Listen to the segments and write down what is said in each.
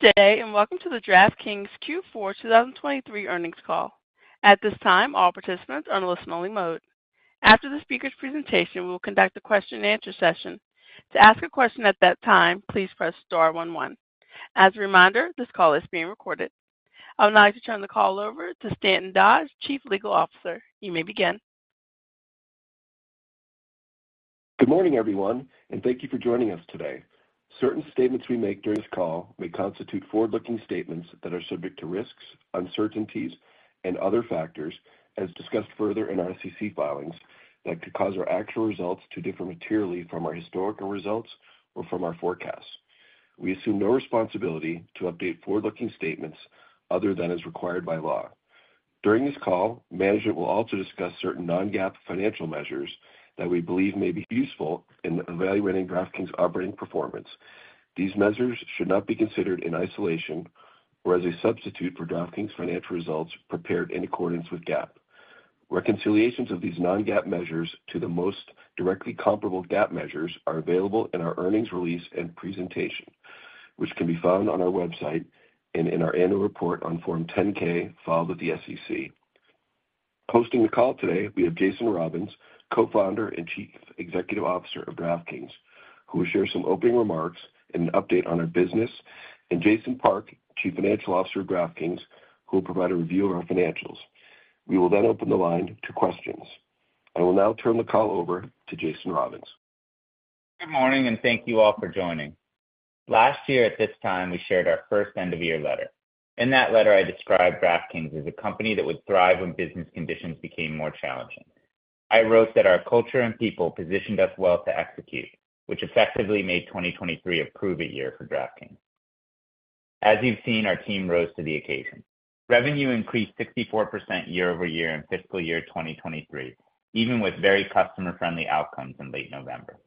Good day, and welcome to the DraftKings Q4 2023 earnings call. At this time, all participants are in listen-only mode. After the speaker's presentation, we will conduct a question-and-answer session. To ask a question at that time, please press star one one. As a reminder, this call is being recorded. I would now like to turn the call over to Stanton Dodge, Chief Legal Officer. You may begin. Good morning, everyone, and thank you for joining us today. Certain statements we make during this call may constitute forward-looking statements that are subject to risks, uncertainties, and other factors, as discussed further in our SEC filings, that could cause our actual results to differ materially from our historical results or from our forecasts. We assume no responsibility to update forward-looking statements other than as required by law. During this call, management will also discuss certain non-GAAP financial measures that we believe may be useful in evaluating DraftKings' operating performance. These measures should not be considered in isolation or as a substitute for DraftKings' financial results prepared in accordance with GAAP. Reconciliations of these non-GAAP measures to the most directly comparable GAAP measures are available in our earnings release and presentation, which can be found on our website and in our annual report on Form 10-K, filed with the SEC. Hosting the call today, we have Jason Robins, Co-Founder and Chief Executive Officer of DraftKings, who will share some opening remarks and an update on our business, and Jason Park, Chief Financial Officer of DraftKings, who will provide a review of our financials. We will then open the line to questions. I will now turn the call over to Jason Robins. Good morning, and thank you all for joining. Last year at this time, we shared our first end-of-year letter. In that letter, I described DraftKings as a company that would thrive when business conditions became more challenging. I wrote that our culture and people positioned us well to execute, which effectively made 2023 a proving year for DraftKings. As you've seen, our team rose to the occasion. Revenue increased 64% year-over-year in fiscal year 2023, even with very customer-friendly outcomes in late November.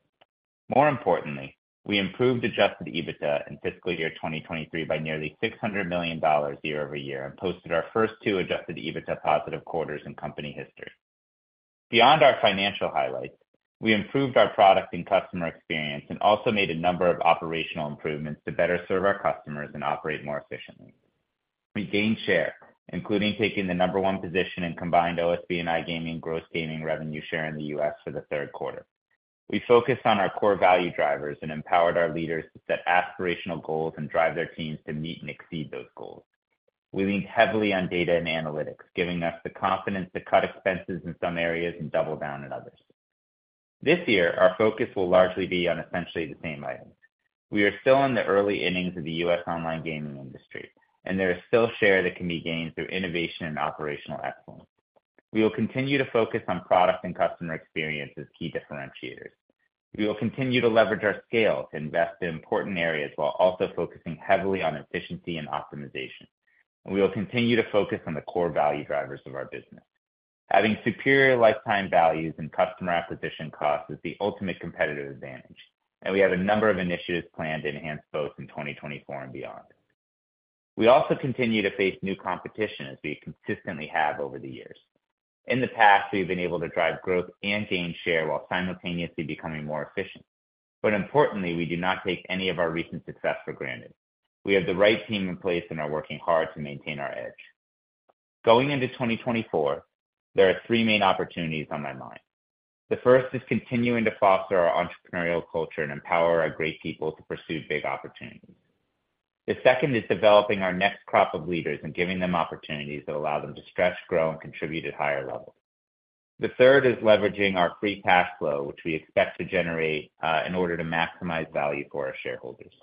More importantly, we improved adjusted EBITDA in fiscal year 2023 by nearly $600 million year- over-year and posted our first two adjusted EBITDA positive quarters in company history. Beyond our financial highlights, we improved our product and customer experience and also made a number of operational improvements to better serve our customers and operate more efficiently. We gained share, including taking the number one position in combined OSB and iGaming gross gaming revenue share in the U.S. for the third quarter. We focused on our core value drivers and empowered our leaders to set aspirational goals and drive their teams to meet and exceed those goals. We leaned heavily on data and analytics, giving us the confidence to cut expenses in some areas and double down in others. This year, our focus will largely be on essentially the same items. We are still in the early innings of the U.S. online gaming industry, and there is still share that can be gained through innovation and operational excellence. We will continue to focus on product and customer experience as key differentiators. We will continue to leverage our scale to invest in important areas while also focusing heavily on efficiency and optimization. We will continue to focus on the core value drivers of our business. Having superior lifetime values and customer acquisition costs is the ultimate competitive advantage, and we have a number of initiatives planned to enhance both in 2024 and beyond. We also continue to face new competition, as we consistently have over the years. In the past, we've been able to drive growth and gain share while simultaneously becoming more efficient. But importantly, we do not take any of our recent success for granted. We have the right team in place and are working hard to maintain our edge. Going into 2024, there are three main opportunities on my mind. The first is continuing to foster our entrepreneurial culture and empower our great people to pursue big opportunities. The second is developing our next crop of leaders and giving them opportunities that allow them to stretch, grow, and contribute at higher levels. The third is leveraging our free cash flow, which we expect to generate, in order to maximize value for our shareholders.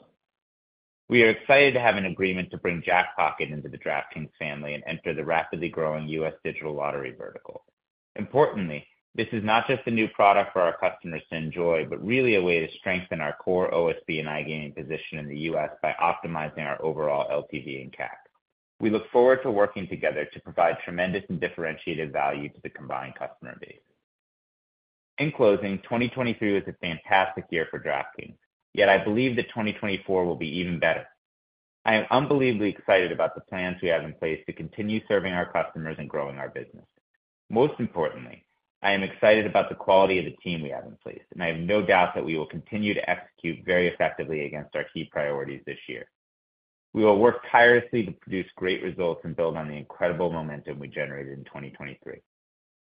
We are excited to have an agreement to bring Jackpocket into the DraftKings family and enter the rapidly growing U.S. digital lottery vertical. Importantly, this is not just a new product for our customers to enjoy, but really a way to strengthen our core OSB and iGaming position in the U.S. by optimizing our overall LTV and CAC. We look forward to working together to provide tremendous and differentiated value to the combined customer base. In closing, 2023 was a fantastic year for DraftKings, yet I believe that 2024 will be even better. I am unbelievably excited about the plans we have in place to continue serving our customers and growing our business. Most importantly, I am excited about the quality of the team we have in place, and I have no doubt that we will continue to execute very effectively against our key priorities this year. We will work tirelessly to produce great results and build on the incredible momentum we generated in 2023.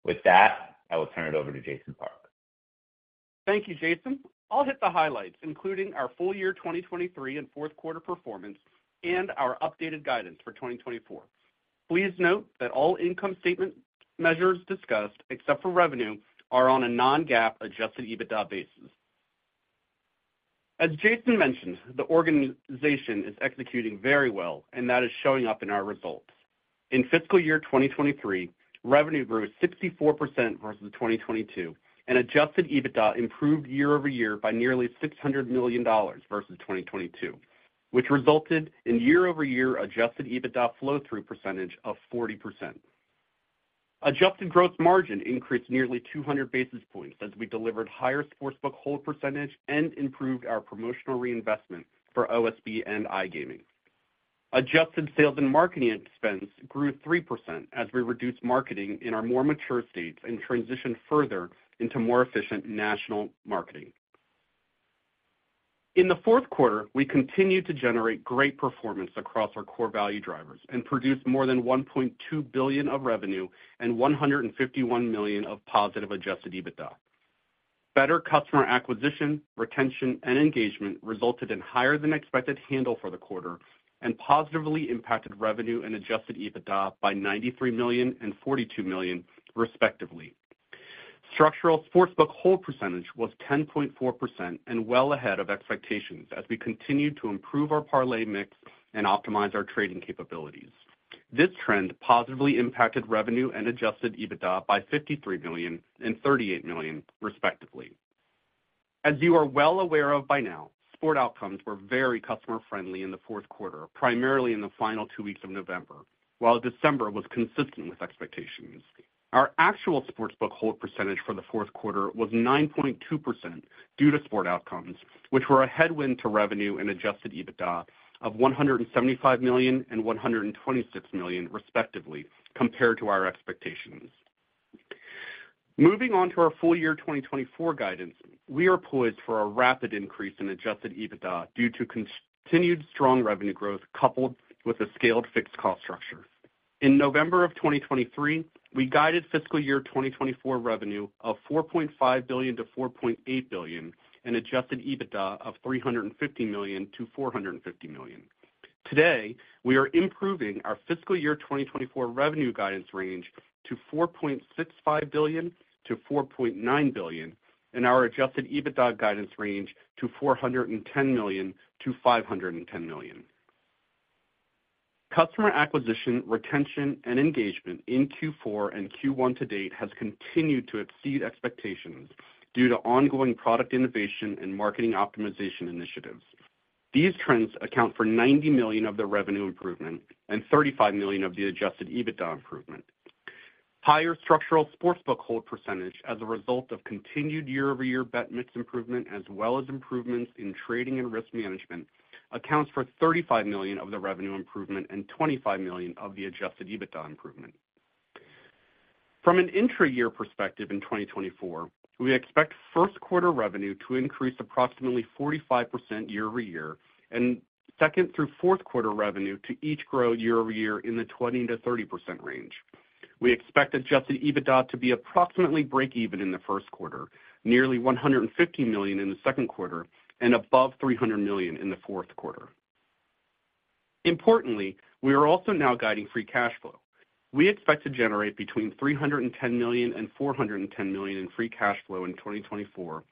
With that, I will turn it over to Jason Park. Thank you, Jason. I'll hit the highlights, including our full-year 2023 and fourth quarter performance and our updated guidance for 2024. Please note that all income statement measures discussed, except for revenue, are on a non-GAAP adjusted EBITDA basis. As Jason mentioned, the organization is executing very well, and that is showing up in our results. In fiscal year 2023, revenue grew 64% versus 2022, and adjusted EBITDA improved year-over-year by nearly $600 million versus 2022, which resulted in year-over-year adjusted EBITDA flow-through percentage of 40%. Adjusted growth margin increased nearly 200 basis points as we delivered higher sportsbook hold percentage and improved our promotional reinvestment for OSB and iGaming. Adjusted sales and marketing expense grew 3% as we reduced marketing in our more mature states and transitioned further into more efficient national marketing. In the fourth quarter, we continued to generate great performance across our core value drivers and produced more than $1.2 billion of revenue and $151 million of positive adjusted EBITDA. Better customer acquisition, retention, and engagement resulted in higher than expected handle for the quarter and positively impacted revenue and adjusted EBITDA by $93 million and $42 million, respectively. Structural sportsbook hold percentage was 10.4% and well ahead of expectations as we continued to improve our parlay mix and optimize our trading capabilities. This trend positively impacted revenue and adjusted EBITDA by $53 million and $38 million, respectively. As you are well aware of by now, sport outcomes were very customer-friendly in the fourth quarter, primarily in the final two weeks of November, while December was consistent with expectations. Our actual sportsbook hold percentage for the fourth quarter was 9.2% due to sports outcomes, which were a headwind to revenue and adjusted EBITDA of $175 million and $126 million, respectively, compared to our expectations. Moving on to our full-year 2024 guidance, we are poised for a rapid increase in adjusted EBITDA due to continued strong revenue growth, coupled with a scaled fixed cost structure. In November of 2023, we guided fiscal year 2024 revenue of $4.5 billion-$4.8 billion and adjusted EBITDA of $350 million-$450 million. Today, we are improving our fiscal year 2024 revenue guidance range to $4.65 billion-$4.9 billion and our adjusted EBITDA guidance range to $410 million-$510 million. Customer acquisition, retention, and engagement in Q4 and Q1 to date has continued to exceed expectations due to ongoing product innovation and marketing optimization initiatives. These trends account for $90 million of the revenue improvement and $35 million of the adjusted EBITDA improvement. Higher structural sportsbook hold percentage as a result of continued year-over-year bet mix improvement, as well as improvements in trading and risk management, accounts for $35 million of the revenue improvement and $25 million of the adjusted EBITDA improvement. From an intra-year perspective, in 2024, we expect first quarter revenue to increase approximately 45% year-over-year, and second through fourth quarter revenue to each grow year-over-year in the 20%-30% range. We expect adjusted EBITDA to be approximately breakeven in the first quarter, nearly $150 million in the second quarter, and above $300 million in the fourth quarter. Importantly, we are also now guiding free cash flow. We expect to generate between $310 million and $410 million in free cash flow in 2024,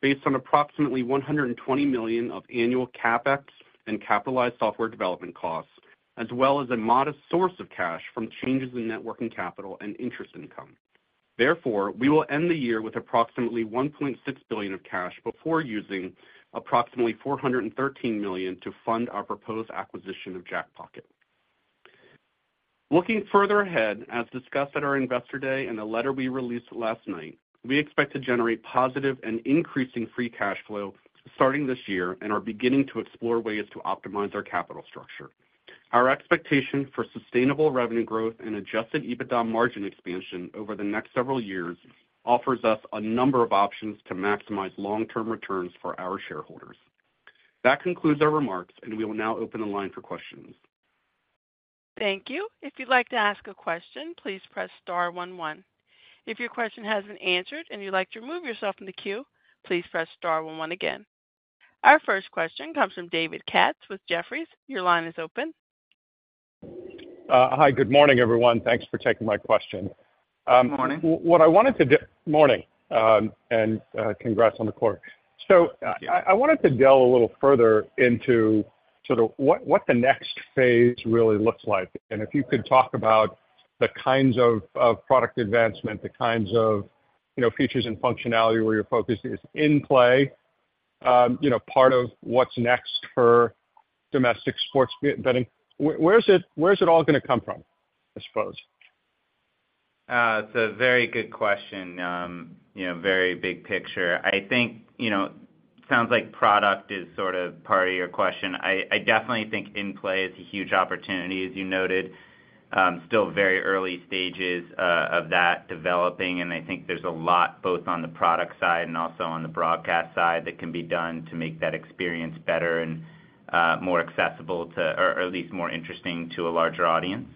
based on approximately $120 million of annual CapEx and capitalized software development costs, as well as a modest source of cash from changes in net working capital and interest income. Therefore, we will end the year with approximately $1.6 billion of cash before using approximately $413 million to fund our proposed acquisition of Jackpocket. Looking further ahead, as discussed at our Investor Day and the letter we released last night, we expect to generate positive and increasing free cash flow starting this year and are beginning to explore ways to optimize our capital structure. Our expectation for sustainable revenue growth and adjusted EBITDA margin expansion over the next several years offers us a number of options to maximize long-term returns for our shareholders. That concludes our remarks, and we will now open the line for questions. Thank you. If you'd like to ask a question, please press star one one. If your question has been answered and you'd like to remove yourself from the queue, please press star one one again. Our first question comes from David Katz with Jefferies. Your line is open. Hi, good morning, everyone. Thanks for taking my question. Good morning. Morning, and congrats on the quarter. So I wanted to delve a little further into sort of what the next phase really looks like, and if you could talk about the kinds of product advancement, the kinds of you know features and functionality where your focus is in play, you know part of what's next for domestic sports betting. Where is it? Where is it all gonna come from, I suppose? It's a very good question, you know, very big picture. I think, you know, sounds like product is sort of part of your question. I definitely think in-play is a huge opportunity, as you noted. Still very early stages of that developing, and I think there's a lot, both on the product side and also on the broadcast side, that can be done to make that experience better and, more accessible to, or at least more interesting to a larger audience.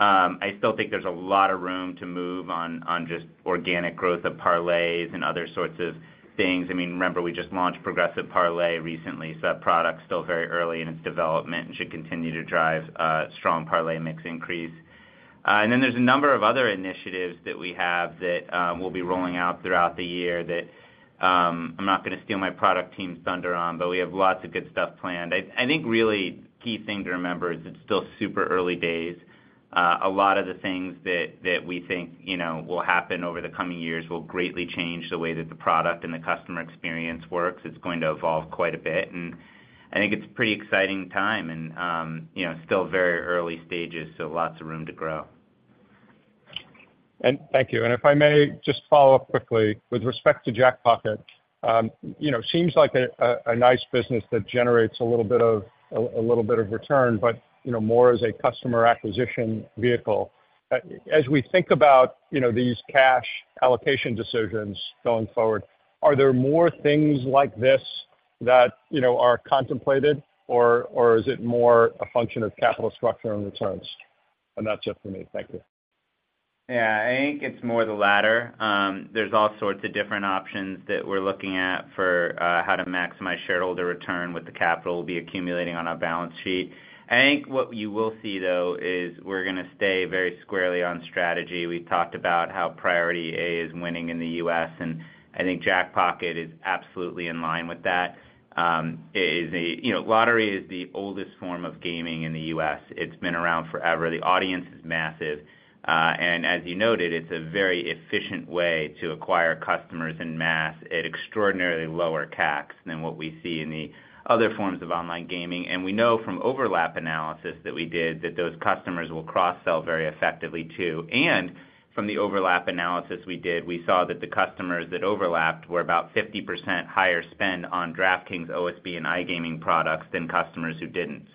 I still think there's a lot of room to move on just organic growth of parlays and other sorts of things. I mean, remember, we just launched Progressive Parlay recently, so that product's still very early in its development and should continue to drive a strong parlay mix increase. And then there's a number of other initiatives that we have that we'll be rolling out throughout the year that I'm not gonna steal my product team's thunder on, but we have lots of good stuff planned. I think really key thing to remember is it's still super early days. A lot of the things that we think you know will happen over the coming years will greatly change the way that the product and the customer experience works. It's going to evolve quite a bit, and I think it's a pretty exciting time and you know still very early stages, so lots of room to grow. Thank you. If I may just follow up quickly with respect to Jackpocket, you know, seems like a nice business that generates a little bit of return, but you know, more as a customer acquisition vehicle. As we think about you know, these cash allocation decisions going forward, are there more things like this that you know, are contemplated, or is it more a function of capital structure and returns? That's just for me. Thank you. Yeah, I think it's more the latter. There's all sorts of different options that we're looking at for how to maximize shareholder return with the capital we'll be accumulating on our balance sheet. I think what you will see, though, is we're gonna stay very squarely on strategy. We talked about how priority A is winning in the U.S., and I think Jackpocket is absolutely in line with that. It is a. You know, lottery is the oldest form of gaming in the U.S. It's been around forever. The audience is massive, and as you noted, it's a very efficient way to acquire customers in mass at extraordinarily lower CACs than what we see in the other forms of online gaming. And we know from overlap analysis that we did, that those customers will cross-sell very effectively, too. From the overlap analysis we did, we saw that the customers that overlapped were about 50% higher spend on DraftKings OSB and iGaming products than customers who didn't.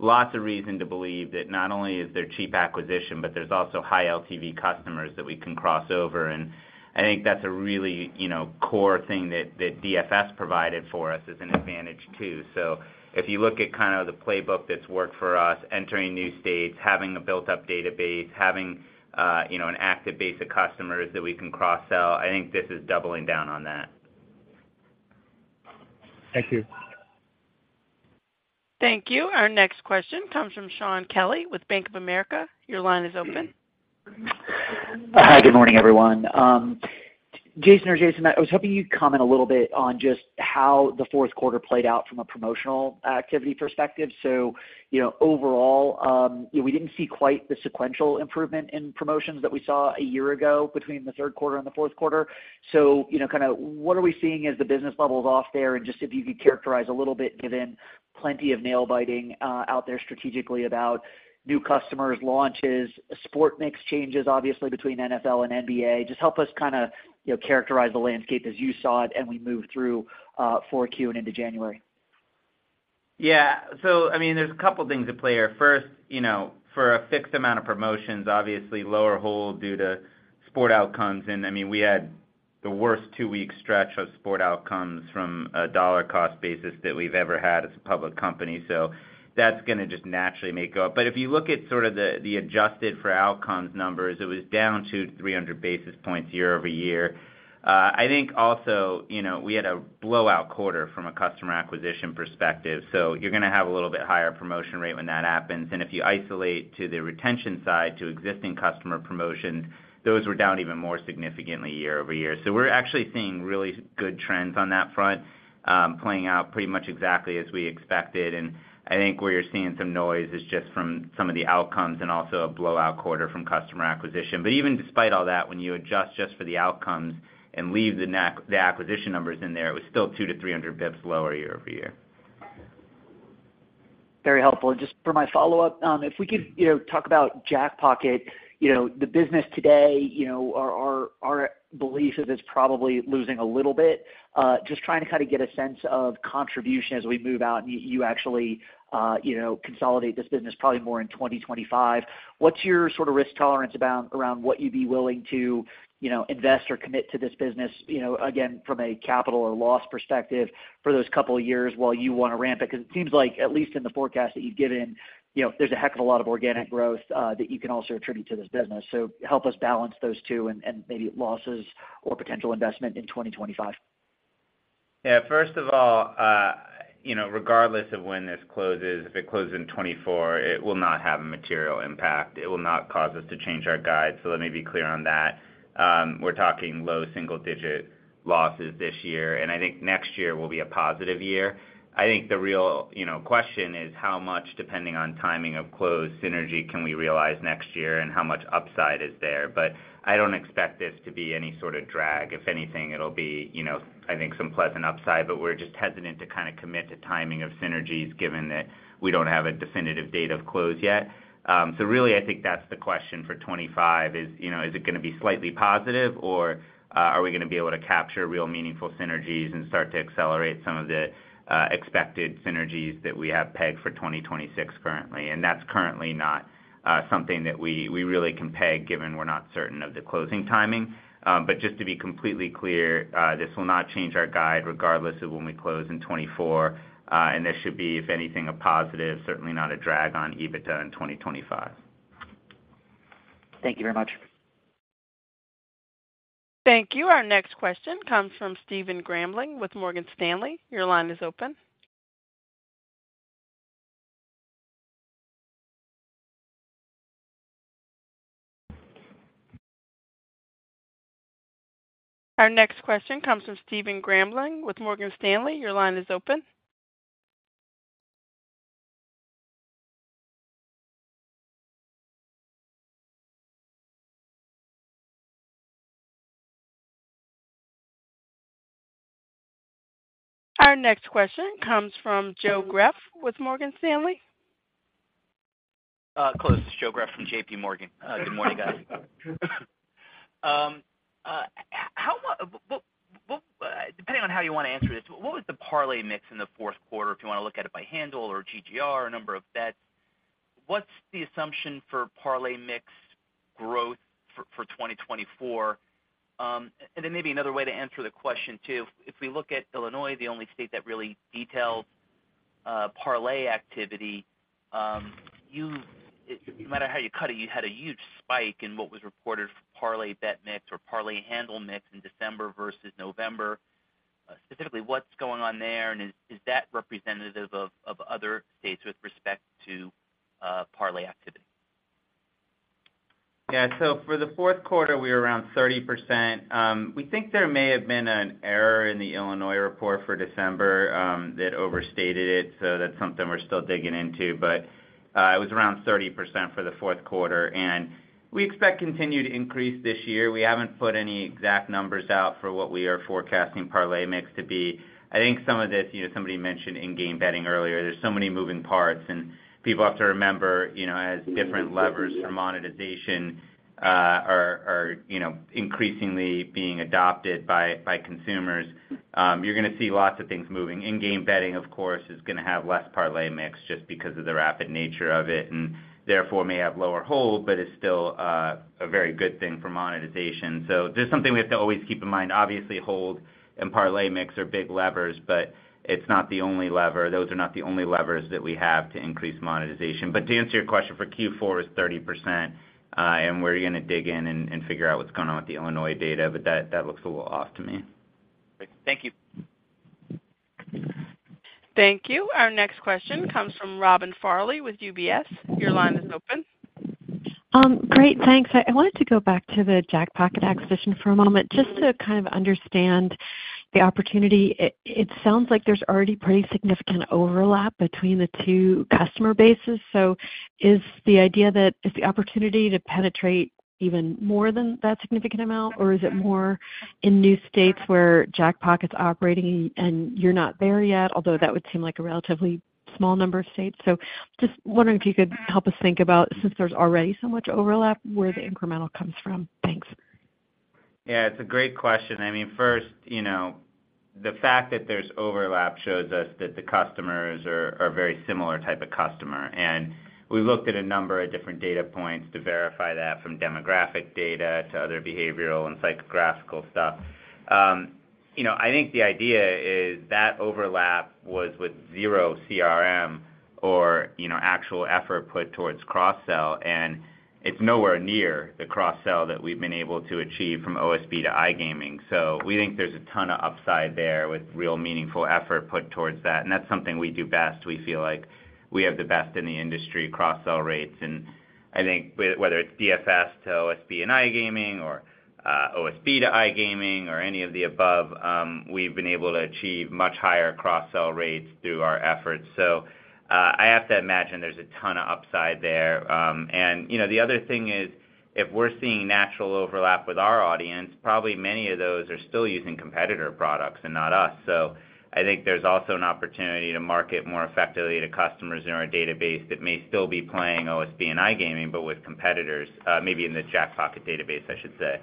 Lots of reason to believe that not only is there cheap acquisition, but there's also high LTV customers that we can cross over, and I think that's a really, you know, core thing that DFS provided for us as an advantage, too. If you look at kind of the playbook that's worked for us, entering new states, having a built-up database, having, you know, an active base of customers that we can cross-sell, I think this is doubling down on that. Thank you. Thank you. Our next question comes from Shaun Kelley with Bank of America. Your line is open. Hi, good morning, everyone. Jason or Jason, I was hoping you'd comment a little bit on just how the fourth quarter played out from a promotional activity perspective. So, you know, overall, we didn't see quite the sequential improvement in promotions that we saw a year ago between the third quarter and the fourth quarter. So, you know, kind of what are we seeing as the business levels off there? And just if you could characterize a little bit, given plenty of nail biting out there strategically about new customers, launches, sport mix changes, obviously between NFL and NBA. Just help us kind of, you know, characterize the landscape as you saw it and we moved through 4Q and into January. Yeah. So, I mean, there's a couple things at play here. First, you know, for a fixed amount of promotions, obviously lower hold due to sport outcomes. And, I mean, we had the worst two-week stretch of sport outcomes from a dollar cost basis that we've ever had as a public company. So that's gonna just naturally make up. But if you look at sort of the adjusted for outcomes numbers, it was down 200, 300 basis points year-over-year. I think also, you know, we had a blowout quarter from a customer acquisition perspective, so you're gonna have a little bit higher promotion rate when that happens. And if you isolate to the retention side, to existing customer promotion, those were down even more significantly year-over-year. So we're actually seeing really good trends on that front, playing out pretty much exactly as we expected. And I think where you're seeing some noise is just from some of the outcomes and also a blowout quarter from customer acquisition. But even despite all that, when you adjust just for the outcomes and leave the NAC acquisition numbers in there, it was still 200-300 basis points lower year-over-year. Very helpful. Just for my follow-up, if we could, you know, talk about Jackpocket. You know, the business today, you know, our belief is it's probably losing a little bit. Just trying to kind of get a sense of contribution as we move out and you actually, you know, consolidate this business probably more in 2025. What's your sort of risk tolerance about around what you'd be willing to, you know, invest or commit to this business, you know, again, from a capital or loss perspective for those couple of years while you want to ramp it? Because it seems like, at least in the forecast that you've given, you know, there's a heck of a lot of organic growth that you can also attribute to this business. So help us balance those two and maybe losses or potential investment in 2025. Yeah. First of all, you know, regardless of when this closes, if it closes in 2024, it will not have a material impact. It will not cause us to change our guide. So let me be clear on that. We're talking low single digit losses this year, and I think next year will be a positive year. I think the real, you know, question is how much, depending on timing of closed synergy, can we realize next year and how much upside is there? But I don't expect this to be any sort of drag. If anything, it'll be, you know, I think, some pleasant upside, but we're just hesitant to kind of commit to timing of synergies given that we don't have a definitive date of close yet. So really, I think that's the question for 2025 is, you know, is it gonna be slightly positive, or are we gonna be able to capture real, meaningful synergies and start to accelerate some of the expected synergies that we have pegged for 2026 currently? And that's currently not something that we really can peg, given we're not certain of the closing timing. But just to be completely clear, this will not change our guide, regardless of when we close in 2024. And this should be, if anything, a positive, certainly not a drag on EBITDA in 2025. Thank you very much. Thank you. Our next question comes from Stephen Grambling with Morgan Stanley. Your line is open. Our next question comes from Stephen Grambling with Morgan Stanley. Your line is open. Our next question comes from Joe Greff with Morgan Stanley. Close. It's Joe Greff from JPMorgan. Good morning, guys. Depending on how you want to answer this, what was the parlay mix in the fourth quarter? If you want to look at it by handle or GGR or number of bets, what's the assumption for parlay mix growth for 2024? And then maybe another way to answer the question, too. If we look at Illinois, the only state that really details parlay activity, no matter how you cut it, you had a huge spike in what was reported for parlay bet mix or parlay handle mix in December versus November. Specifically, what's going on there, and is that representative of other states with respect to parlay activity? Yeah. So for the fourth quarter, we were around 30%. We think there may have been an error in the Illinois report for December that overstated it. So that's something we're still digging into. But it was around 30% for the fourth quarter, and we expect continued increase this year. We haven't put any exact numbers out for what we are forecasting parlay mix to be. I think some of this, you know, somebody mentioned in-game betting earlier. There's so many moving parts, and people have to remember, you know, as different levers for monetization are increasingly being adopted by consumers, you're gonna see lots of things moving. In-game betting, of course, is gonna have less parlay mix just because of the rapid nature of it, and therefore may have lower hold, but it's still a very good thing for monetization. So this is something we have to always keep in mind. Obviously, hold and parlay mix are big levers, but it's not the only lever. Those are not the only levers that we have to increase monetization. But to answer your question, for Q4, it's 30%, and we're gonna dig in and figure out what's going on with the Illinois data, but that looks a little off to me. Great. Thank you. Thank you. Our next question comes from Robin Farley with UBS. Your line is open. Great, thanks. I wanted to go back to the Jackpocket acquisition for a moment, just to kind of understand the opportunity. It sounds like there's already pretty significant overlap between the two customer bases. So is the idea that, is the opportunity to penetrate even more than that significant amount, or is it more in new states where Jackpocket's operating and you're not there yet, although that would seem like a relatively small number of states? So just wondering if you could help us think about, since there's already so much overlap, where the incremental comes from. Thanks. Yeah, it's a great question. I mean, first, you know, the fact that there's overlap shows us that the customers are very similar type of customer, and we looked at a number of different data points to verify that, from demographic data to other behavioral and psychographic stuff. You know, I think the idea is that overlap was with zero CRM or, you know, actual effort put towards cross-sell, and it's nowhere near the cross-sell that we've been able to achieve from OSB to iGaming. So we think there's a ton of upside there with real meaningful effort put towards that, and that's something we do best. We feel like we have the best in the industry cross-sell rates, and I think whether it's DFS to OSB and iGaming or, OSB to iGaming or any of the above, we've been able to achieve much higher cross-sell rates through our efforts. So, I have to imagine there's a ton of upside there. And, you know, the other thing is, if we're seeing natural overlap with our audience, probably many of those are still using competitor products and not us. So I think there's also an opportunity to market more effectively to customers in our database that may still be playing OSB and iGaming, but with competitors, maybe in the Jackpocket database, I should say.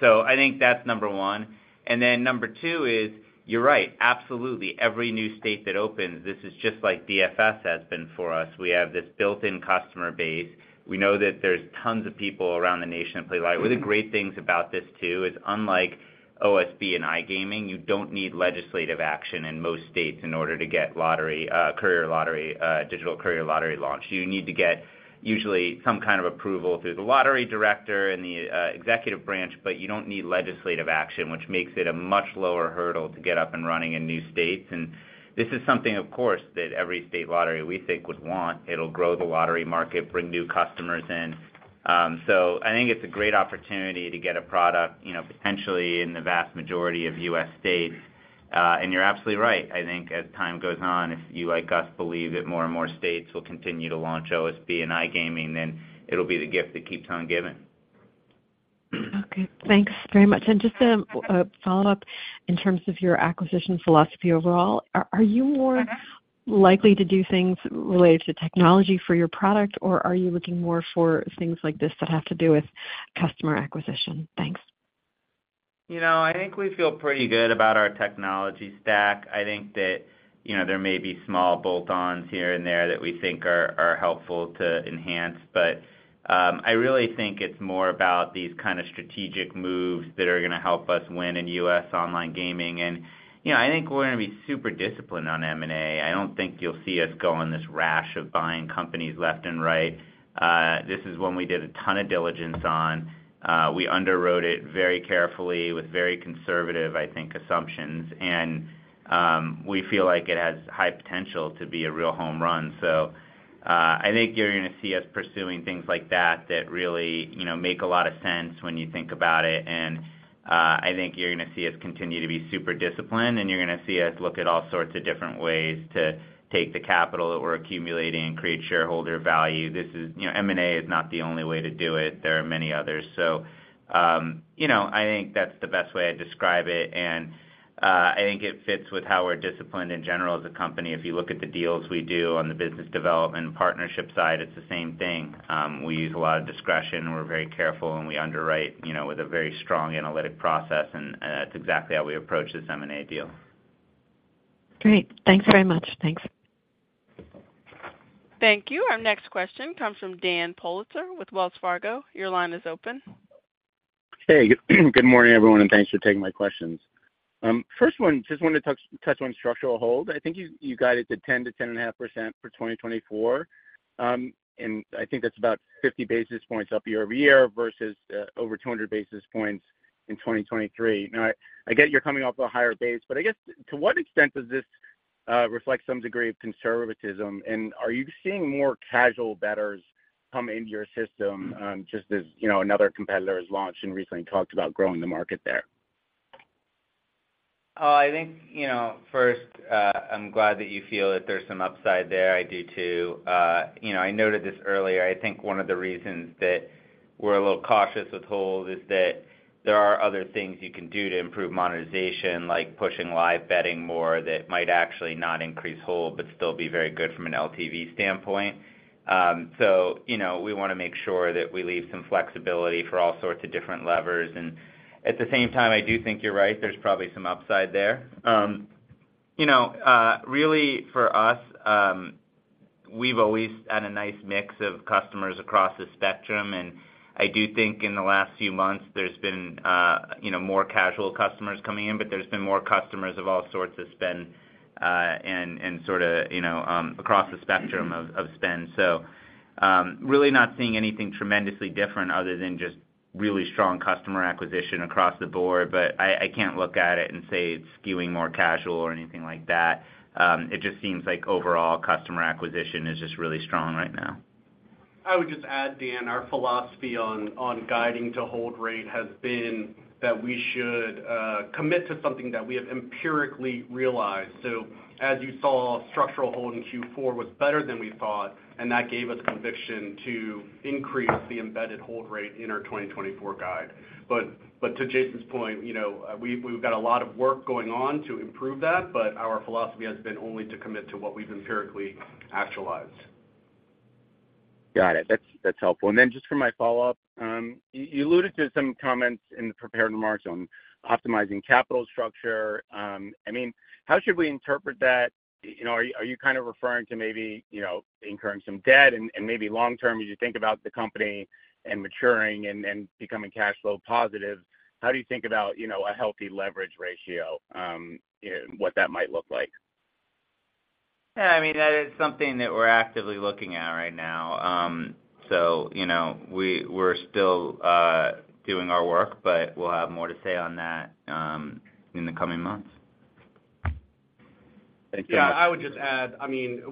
So I think that's number one. Then number two is, you're right, absolutely every new state that opens, this is just like DFS has been for us. We have this built-in customer base. We know that there's tons of people around the nation that play lottery. One of the great things about this, too, is unlike OSB and iGaming, you don't need legislative action in most states in order to get lottery courier lottery digital courier lottery launched. You need to get usually some kind of approval through the lottery director and the executive branch, but you don't need legislative action, which makes it a much lower hurdle to get up and running in new states. And this is something, of course, that every state lottery, we think, would want. It'll grow the lottery market, bring new customers in. I think it's a great opportunity to get a product, you know, potentially in the vast majority of U.S. states. You're absolutely right. I think as time goes on, if you, like us, believe that more and more states will continue to launch OSB and iGaming, then it'll be the gift that keeps on giving. Okay, thanks very much. And just a follow-up in terms of your acquisition philosophy overall, are you more likely to do things related to technology for your product, or are you looking more for things like this that have to do with customer acquisition? Thanks. You know, I think we feel pretty good about our technology stack. I think that, you know, there may be small bolt-ons here and there that we think are helpful to enhance. But I really think it's more about these kind of strategic moves that are gonna help us win in U.S. online gaming. And, you know, I think we're gonna be super disciplined on M&A. I don't think you'll see us go on this rash of buying companies left and right. This is one we did a ton of diligence on. We underwrote it very carefully with very conservative, I think, assumptions, and we feel like it has high potential to be a real home run. So, I think you're gonna see us pursuing things like that, that really, you know, make a lot of sense when you think about it. I think you're gonna see us continue to be super disciplined, and you're gonna see us look at all sorts of different ways to take the capital that we're accumulating and create shareholder value. This is, you know, M&A is not the only way to do it, there are many others. So, you know, I think that's the best way I'd describe it, and, I think it fits with how we're disciplined in general as a company. If you look at the deals we do on the business development partnership side, it's the same thing. We use a lot of discretion, we're very careful, and we underwrite, you know, with a very strong analytic process, and, and that's exactly how we approach this M&A deal. Great. Thanks very much. Thanks. Thank you. Our next question comes from Dan Politzer with Wells Fargo. Your line is open. Hey, good morning, everyone, and thanks for taking my questions. First one, just wanted to touch on structural hold. I think you got it to 10%-10.5% for 2024. I think that's about 50 basis points up year-over-year versus over 200 basis points in 2023. Now, I get you're coming off a higher base, but I guess, to what extent does this reflect some degree of conservatism? And are you seeing more casual bettors come into your system, just as, you know, another competitor has launched and recently talked about growing the market there? I think, you know, first, I'm glad that you feel that there's some upside there. I do, too. You know, I noted this earlier. I think one of the reasons that we're a little cautious with hold is that there are other things you can do to improve monetization, like pushing live betting more, that might actually not increase hold, but still be very good from an LTV standpoint. So, you know, we wanna make sure that we leave some flexibility for all sorts of different levers. And at the same time, I do think you're right, there's probably some upside there. You know, really, for us, we've always had a nice mix of customers across the spectrum, and I do think in the last few months there's been, you know, more casual customers coming in, but there's been more customers of all sorts of spend, and, and sort of, you know, across the spectrum of, of spend. So, really not seeing anything tremendously different other than just really strong customer acquisition across the board. But I, I can't look at it and say it's skewing more casual or anything like that. It just seems like overall, customer acquisition is just really strong right now. I would just add, Dan, our philosophy on guiding to hold rate has been that we should commit to something that we have empirically realized. So as you saw, structural hold in Q4 was better than we thought, and that gave us conviction to increase the embedded hold rate in our 2024 guide. But to Jason's point, you know, we've got a lot of work going on to improve that, but our philosophy has been only to commit to what we've empirically actualized. Got it. That's helpful. And then just for my follow-up, you alluded to some comments in the prepared remarks on optimizing capital structure. I mean, how should we interpret that? You know, are you kind of referring to maybe, you know, incurring some debt and maybe long-term, as you think about the company and maturing and becoming cash flow positive, how do you think about, you know, a healthy leverage ratio, and what that might look like? Yeah, I mean, that is something that we're actively looking at right now. So, you know, we're still doing our work, but we'll have more to say on that in the coming months. Thank you. Yeah, I would just add, I mean,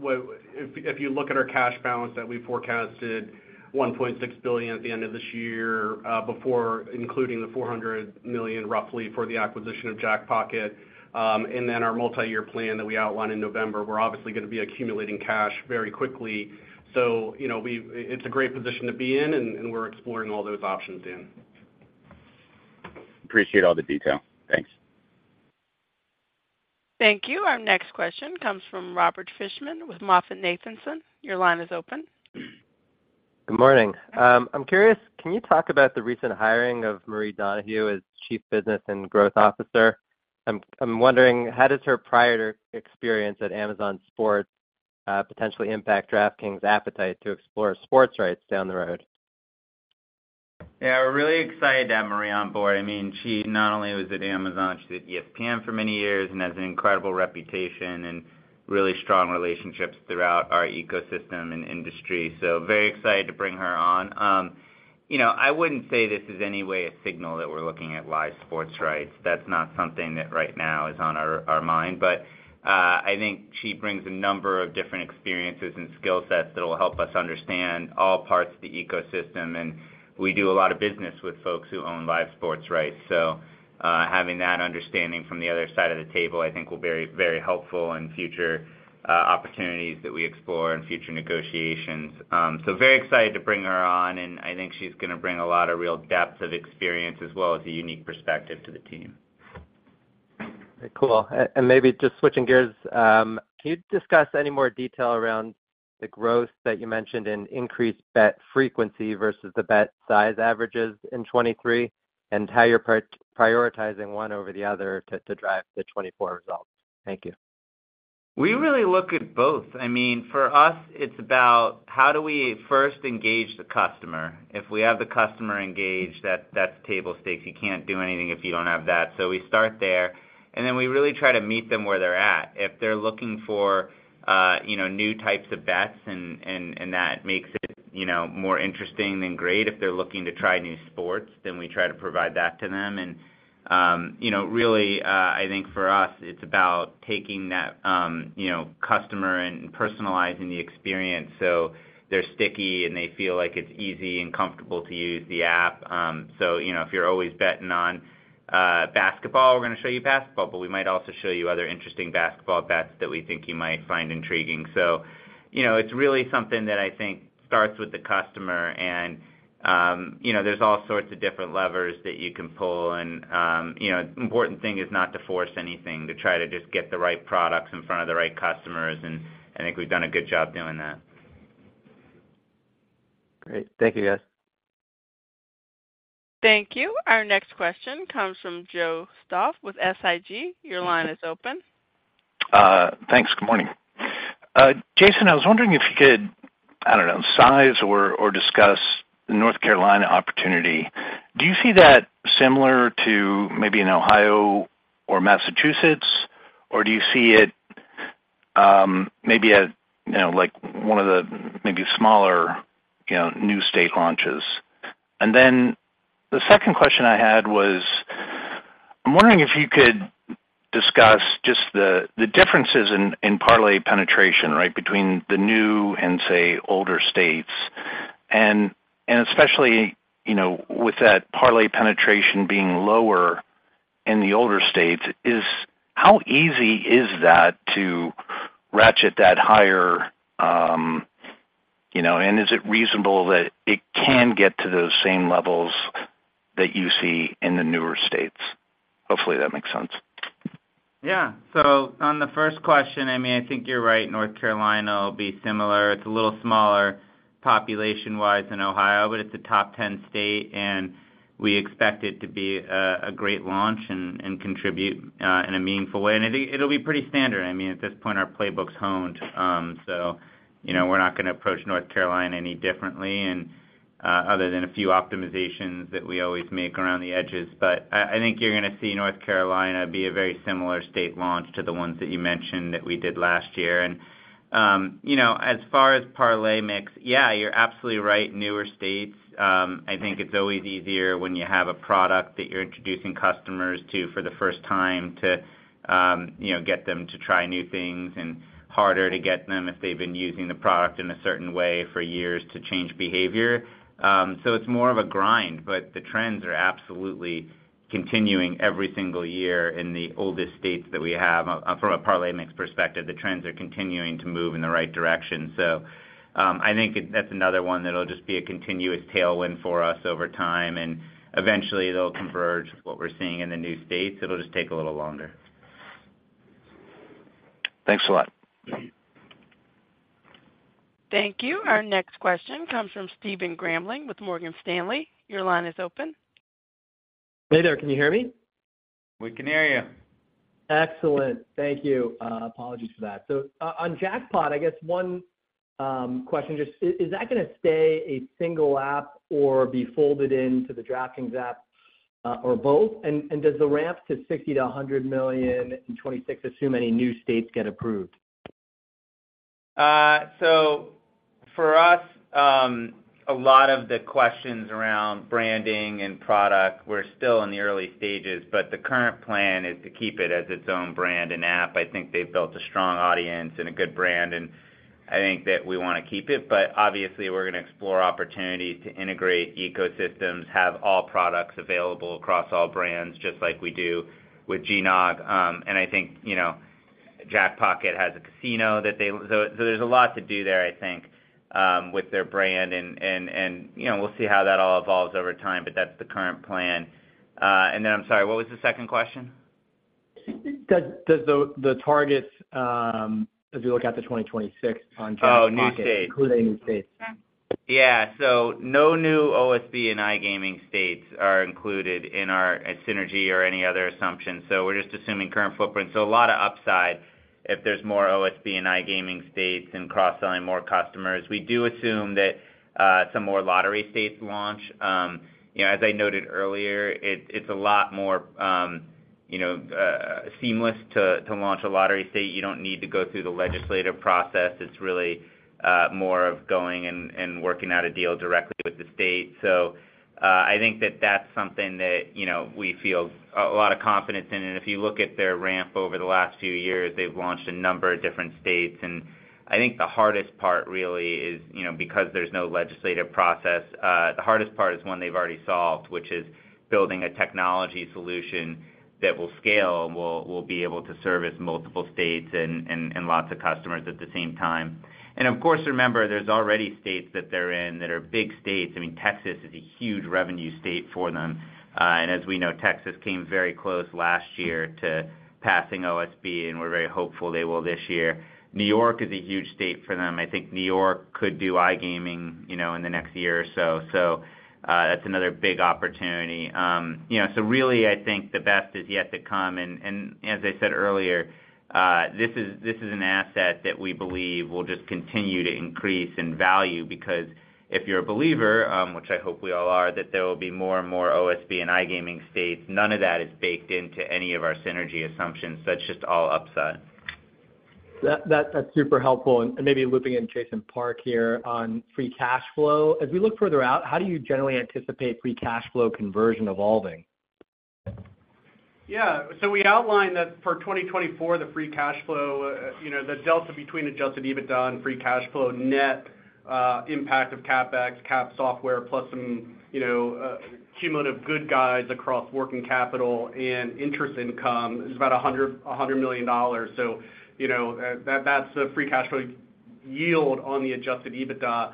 if you look at our cash balance that we forecasted $1.6 billion at the end of this year, before including the $400 million, roughly, for the acquisition of Jackpocket, and then our multiyear plan that we outlined in November, we're obviously gonna be accumulating cash very quickly. So, you know, it's a great position to be in, and we're exploring all those options, Dan. Appreciate all the detail. Thanks. Thank you. Our next question comes from Robert Fishman with MoffettNathanson. Your line is open. Good morning. I'm curious, can you talk about the recent hiring of Marie Donoghue as chief business and growth officer? I'm wondering, how does her prior experience at Amazon Sports potentially impact DraftKings' appetite to explore sports rights down the road? Yeah, we're really excited to have Marie on board. I mean, she not only was at Amazon, she was at ESPN for many years and has an incredible reputation and really strong relationships throughout our ecosystem and industry. So very excited to bring her on. You know, I wouldn't say this is any way a signal that we're looking at live sports rights. That's not something that right now is on our mind. But, I think she brings a number of different experiences and skill sets that will help us understand all parts of the ecosystem, and we do a lot of business with folks who own live sports rights. So, having that understanding from the other side of the table, I think will very, very helpful in future opportunities that we explore and future negotiations. Very excited to bring her on, and I think she's gonna bring a lot of real depth of experience as well as a unique perspective to the team. Cool. And maybe just switching gears, can you discuss any more detail around the growth that you mentioned in increased bet frequency versus the bet size averages in 2023, and how you're prioritizing one over the other to drive the 2024 results? Thank you. We really look at both. I mean, for us, it's about how do we first engage the customer? If we have the customer engaged, that's table stakes. You can't do anything if you don't have that. So we start there, and then we really try to meet them where they're at. If they're looking for, you know, new types of bets and that makes it, you know, more interesting, then great. If they're looking to try new sports, then we try to provide that to them. And, you know, really, I think for us, it's about taking that, you know, customer and personalizing the experience so they're sticky, and they feel like it's easy and comfortable to use the app. So, you know, if you're always betting on basketball, we're gonna show you basketball, but we might also show you other interesting basketball bets that we think you might find intriguing. So, you know, it's really something that I think starts with the customer, and, you know, there's all sorts of different levers that you can pull and, you know, important thing is not to force anything, to try to just get the right products in front of the right customers, and I think we've done a good job doing that. Great. Thank you, guys. Thank you. Our next question comes from Joe Stauff with SIG. Your line is open. Thanks. Good morning. Jason, I was wondering if you could, I don't know, size or discuss the North Carolina opportunity. Do you see that similar to maybe in Ohio or Massachusetts, or do you see it, maybe at, you know, like, one of the maybe smaller, you know, new state launches? And then the second question I had was, I'm wondering if you could discuss just the differences in parlay penetration, right? Between the new and, say, older states. And especially, you know, with that parlay penetration being lower in the older states, how easy is that to ratchet that higher, you know, and is it reasonable that it can get to those same levels that you see in the newer states? Hopefully, that makes sense. Yeah. So on the first question, I mean, I think you're right, North Carolina will be similar. It's a little smaller population-wise than Ohio, but it's a top 10 state, and we expect it to be a great launch and contribute in a meaningful way. And I think it'll be pretty standard. I mean, at this point, our playbook's honed. So, you know, we're not gonna approach North Carolina any differently and other than a few optimizations that we always make around the edges. But I think you're gonna see North Carolina be a very similar state launch to the ones that you mentioned that we did last year. And, you know, as far as parlay mix, yeah, you're absolutely right. Newer states, I think it's always easier when you have a product that you're introducing customers to for the first time to, you know, get them to try new things and harder to get them if they've been using the product in a certain way for years to change behavior. So it's more of a grind, but the trends are absolutely continuing every single year in the oldest states that we have. From a parlay mix perspective, the trends are continuing to move in the right direction. So, I think that's another one that'll just be a continuous tailwind for us over time, and eventually, they'll converge what we're seeing in the new states. It'll just take a little longer. Thanks a lot. Thank you. Our next question comes from Stephen Grambling with Morgan Stanley. Your line is open. Hey there, can you hear me? We can hear you. Excellent. Thank you. Apologies for that. So on Jackpocket, I guess one question, is that gonna stay a single app or be folded into the DraftKings app, or both? And does the ramp to $60 million to $100 million in 2026 assume any new states get approved? So for us, a lot of the questions around branding and product, we're still in the early stages, but the current plan is to keep it as its own brand and app. I think they've built a strong audience and a good brand, and I think that we wanna keep it. But obviously, we're gonna explore opportunities to integrate ecosystems, have all products available across all brands, just like we do with GNOG. And I think, you know, Jackpocket has a casino that they-- so, so there's a lot to do there, I think, with their brand and, and, and, you know, we'll see how that all evolves over time, but that's the current plan. And then I'm sorry, what was the second question? Does the targets as we look out to 2026 on Jackpocket Oh, new states. Including new states. Yeah. So no new OSB and iGaming states are included in our synergy or any other assumptions, so we're just assuming current footprint. So a lot of upside if there's more OSB and iGaming states and cross-selling more customers. We do assume that some more lottery states launch. You know, as I noted earlier, it's a lot more, you know, seamless to launch a lottery state. You don't need to go through the legislative process. It's really more of going and working out a deal directly with the state. So I think that that's something that, you know, we feel a lot of confidence in. And if you look at their ramp over the last few years, they've launched a number of different states. And I think the hardest part really is, you know, because there's no legislative process, the hardest part is one they've already solved, which is building a technology solution that will scale and will, will be able to service multiple states and, and, and lots of customers at the same time. And of course, remember, there's already states that they're in, that are big states. I mean, Texas is a huge revenue state for them. And as we know, Texas came very close last year to passing OSB, and we're very hopeful they will this year. New York is a huge state for them. I think New York could do iGaming, you know, in the next year or so. So, that's another big opportunity. You know, so really, I think the best is yet to come, and as I said earlier, this is an asset that we believe will just continue to increase in value. Because if you're a believer, which I hope we all are, that there will be more and more OSB and iGaming states, none of that is baked into any of our synergy assumptions. So that's just all upside. That, that's super helpful. Maybe looping in Jason Park here on free cash flow. As we look further out, how do you generally anticipate free cash flow conversion evolving? Yeah. So we outlined that for 2024, the free cash flow, you know, the delta between adjusted EBITDA and free cash flow, net impact of CapEx, cap software, plus some, you know, cumulative good guys across working capital and interest income is about $100 million. So, you know, that's a free cash flow yield on the adjusted EBITDA.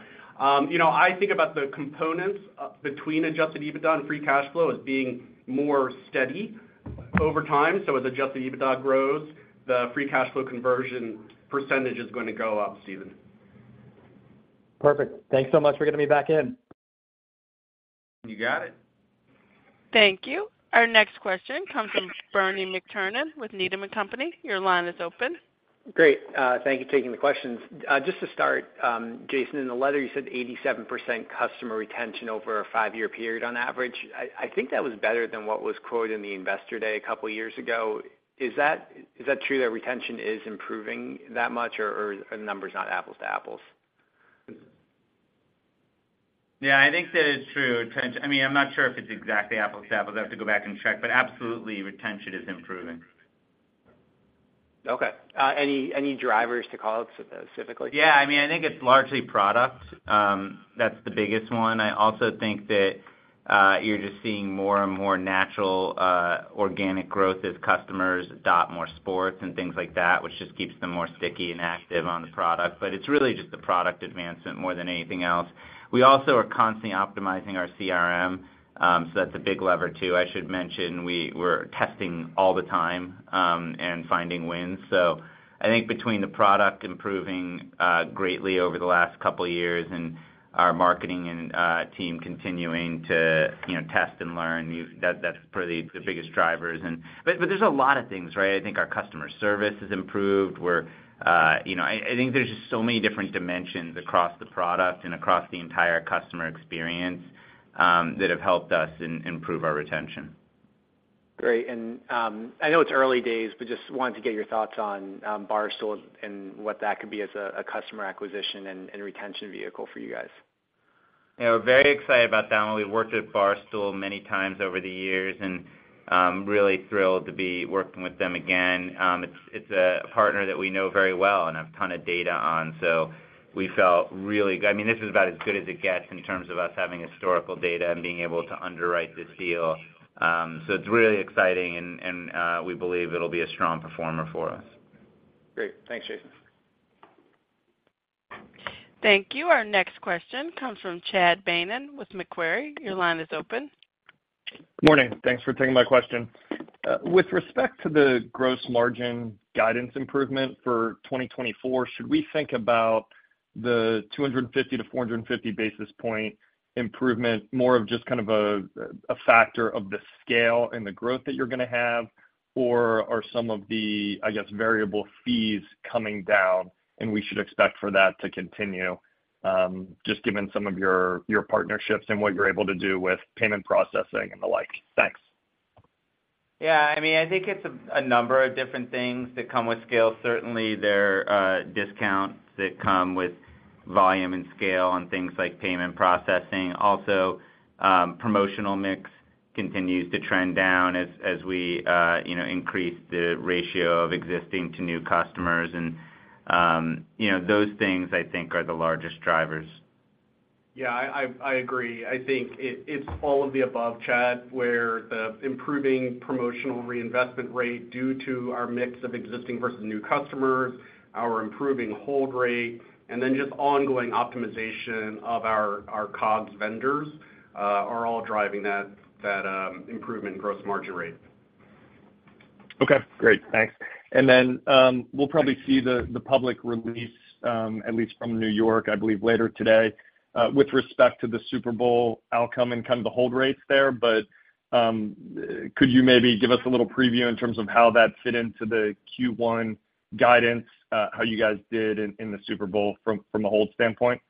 You know, I think about the components between adjusted EBITDA and free cash flow as being more steady over time, so as adjusted EBITDA grows, the free cash flow conversion percentage is going to go up, Stephen. Perfect. Thanks so much for getting me back in. You got it. Thank you. Our next question comes from Bernie McTernan with Needham & Company. Your line is open. Great, thank you for taking the questions. Just to start, Jason, in the letter, you said 87% customer retention over a five-year period on average. I, I think that was better than what was quoted in the Investor Day a couple of years ago. Is that, is that true, that retention is improving that much, or, or are the numbers not apples to apples? Yeah, I think that it's true. I mean, I'm not sure if it's exactly apples to apples. I'd have to go back and check, but absolutely, retention is improving. Okay. Any drivers to call out specifically? Yeah, I mean, I think it's largely product. That's the biggest one. I also think that you're just seeing more and more natural organic growth as customers adopt more sports and things like that, which just keeps them more sticky and active on the product. But it's really just the product advancement more than anything else. We also are constantly optimizing our CRM, so that's a big lever, too. I should mention, we're testing all the time and finding wins. So I think between the product improving greatly over the last couple of years and our marketing and team continuing to, you know, test and learn, that that's probably the biggest drivers and. But there's a lot of things, right? I think our customer service has improved. We're, you know, I think there's just so many different dimensions across the product and across the entire customer experience, that have helped us improve our retention. Great. And, I know it's early days, but just wanted to get your thoughts on Barstool and what that could be as a customer acquisition and retention vehicle for you guys. Yeah, we're very excited about that, and we've worked with Barstool many times over the years, and really thrilled to be working with them again. It's a partner that we know very well and have a ton of data on, so we felt really, I mean, this is about as good as it gets in terms of us having historical data and being able to underwrite this deal. So it's really exciting, and we believe it'll be a strong performer for us. Great. Thanks, Jason. Thank you. Our next question comes from Chad Beynon with Macquarie. Your line is open. Good morning. Thanks for taking my question. With respect to the gross margin guidance improvement for 2024, should we think about the 250 to 450 basis point improvement, more of just kind of a factor of the scale and the growth that you're gonna have? Or are some of the, I guess, variable fees coming down, and we should expect for that to continue, just given some of your partnerships and what you're able to do with payment processing and the like? Thanks. Yeah, I mean, I think it's a number of different things that come with scale. Certainly, there are discounts that come with volume and scale on things like payment processing. Also, promotional mix continues to trend down as we, you know, increase the ratio of existing to new customers, and, you know, those things, I think, are the largest drivers. Yeah, I agree. I think it's all of the above, Chad, where the improving promotional reinvestment rate, due to our mix of existing versus new customers, our improving hold rate, and then just ongoing optimization of our COGS vendors are all driving that improvement in gross margin rate. Okay, great. Thanks. And then we'll probably see the public release, at least from New York, I believe, later today, with respect to the Super Bowl outcome and kind of the hold rates there. But could you maybe give us a little preview in terms of how that fit into the Q1 guidance, how you guys did in the Super Bowl from a hold standpoint?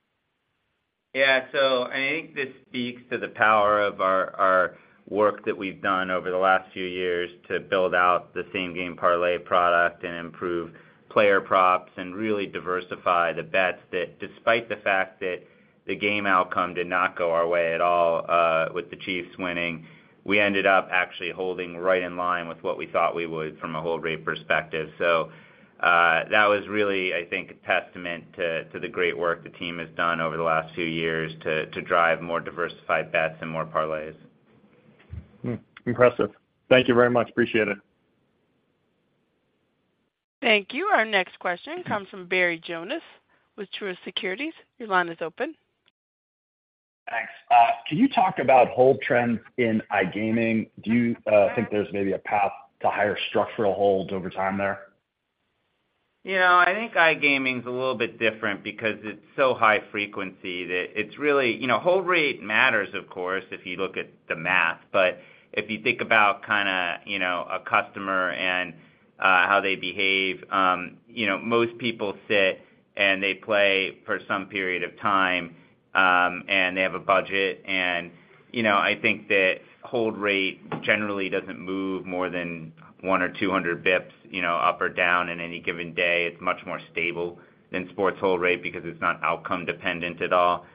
Yeah, so I think this speaks to the power of our work that we've done over the last few years to build out the Same Game Parlay product and improve player props and really diversify the bets that despite the fact that the game outcome did not go our way at all, with the Chiefs winning, we ended up actually holding right in line with what we thought we would from a hold rate perspective. So, that was really, I think, a testament to the great work the team has done over the last few years to drive more diversified bets and more parlays. Hmm, impressive. Thank you very much. Appreciate it. Thank you. Our next question comes from Barry Jonas with Truist Securities. Your line is open. Thanks. Can you talk about hold trends in iGaming? Do you think there's maybe a path to higher structural holds over time there? You know, I think iGaming's a little bit different because it's so high frequency, that it's really, you know, hold rate matters, of course, if you look at the math, but if you think about kinda, you know, a customer and how they behave, you know, most people sit, and they play for some period of time, and they have a budget, and, you know, I think that hold rate generally doesn't move more than 100 or 200 bps, you know, up or down in any given day. It's much more stable than sports hold rate because it's not outcome dependent at all.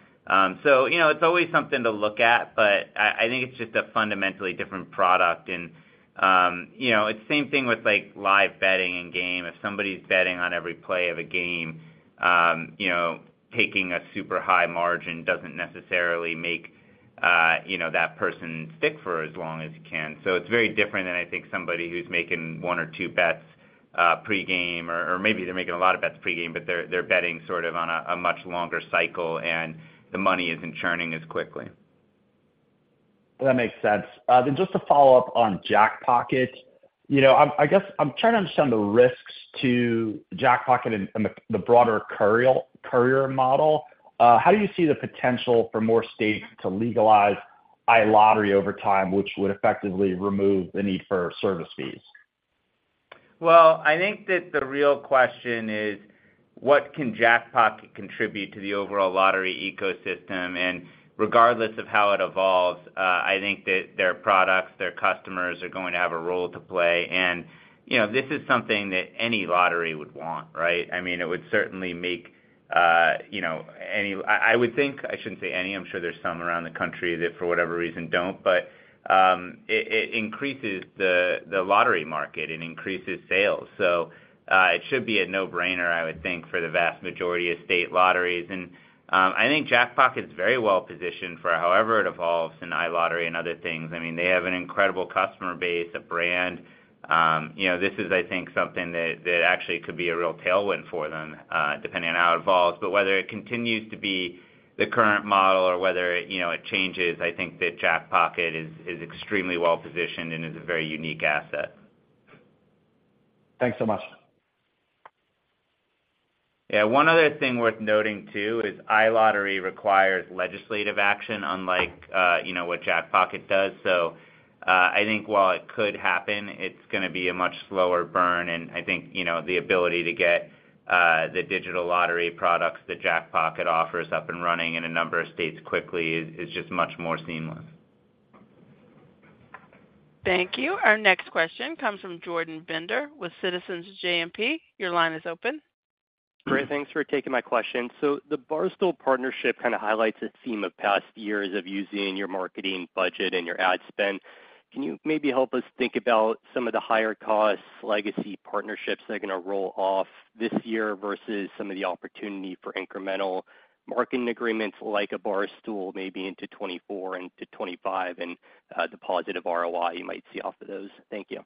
So you know, it's always something to look at, but I think it's just a fundamentally different product, and, you know, it's the same thing with, like, live betting in game. If somebody's betting on every play of a game, you know, taking a super high margin doesn't necessarily make, you know, that person stick for as long as you can. So it's very different than, I think, somebody who's making one or two bets pre-game, or maybe they're making a lot of bets pre-game, but they're betting sort of on a much longer cycle, and the money isn't churning as quickly. That makes sense. Then just to follow up on Jackpocket. You know, I guess I'm trying to understand the risks to Jackpocket and the broader courier model. How do you see the potential for more states to legalize iLottery over time, which would effectively remove the need for service fees? Well, I think that the real question is: What can Jackpocket contribute to the overall lottery ecosystem? And regardless of how it evolves, I think that their products, their customers, are going to have a role to play. And, you know, this is something that any lottery would want, right? I mean, it would certainly make, you know, any- I would think, I shouldn't say any, I'm sure there's some around the country that, for whatever reason, don't. But, it increases the lottery market, it increases sales. So, it should be a no-brainer, I would think, for the vast majority of state lotteries. And, I think Jackpocket's very well-positioned for however it evolves in iLottery and other things. I mean, they have an incredible customer base, a brand. You know, this is, I think, something that actually could be a real tailwind for them, depending on how it evolves. But whether it continues to be the current model or whether, you know, it changes, I think that Jackpocket is extremely well-positioned and is a very unique asset. Thanks so much. Yeah, one other thing worth noting, too, is iLottery requires legislative action, unlike, you know, what Jackpocket does. So, I think while it could happen, it's gonna be a much slower burn, and I think, you know, the ability to get the digital lottery products that Jackpocket offers up and running in a number of states quickly is just much more seamless. Thank you. Our next question comes from Jordan Bender with Citizens JMP. Your line is open. Great, thanks for taking my question. So the Barstool partnership kind of highlights a theme of past years of using your marketing budget and your ad spend. Can you maybe help us think about some of the higher-cost legacy partnerships that are gonna roll off this year, versus some of the opportunity for incremental marketing agreements, like a Barstool, maybe into 2024 and to 2025, and the positive ROI you might see off of those? Thank you.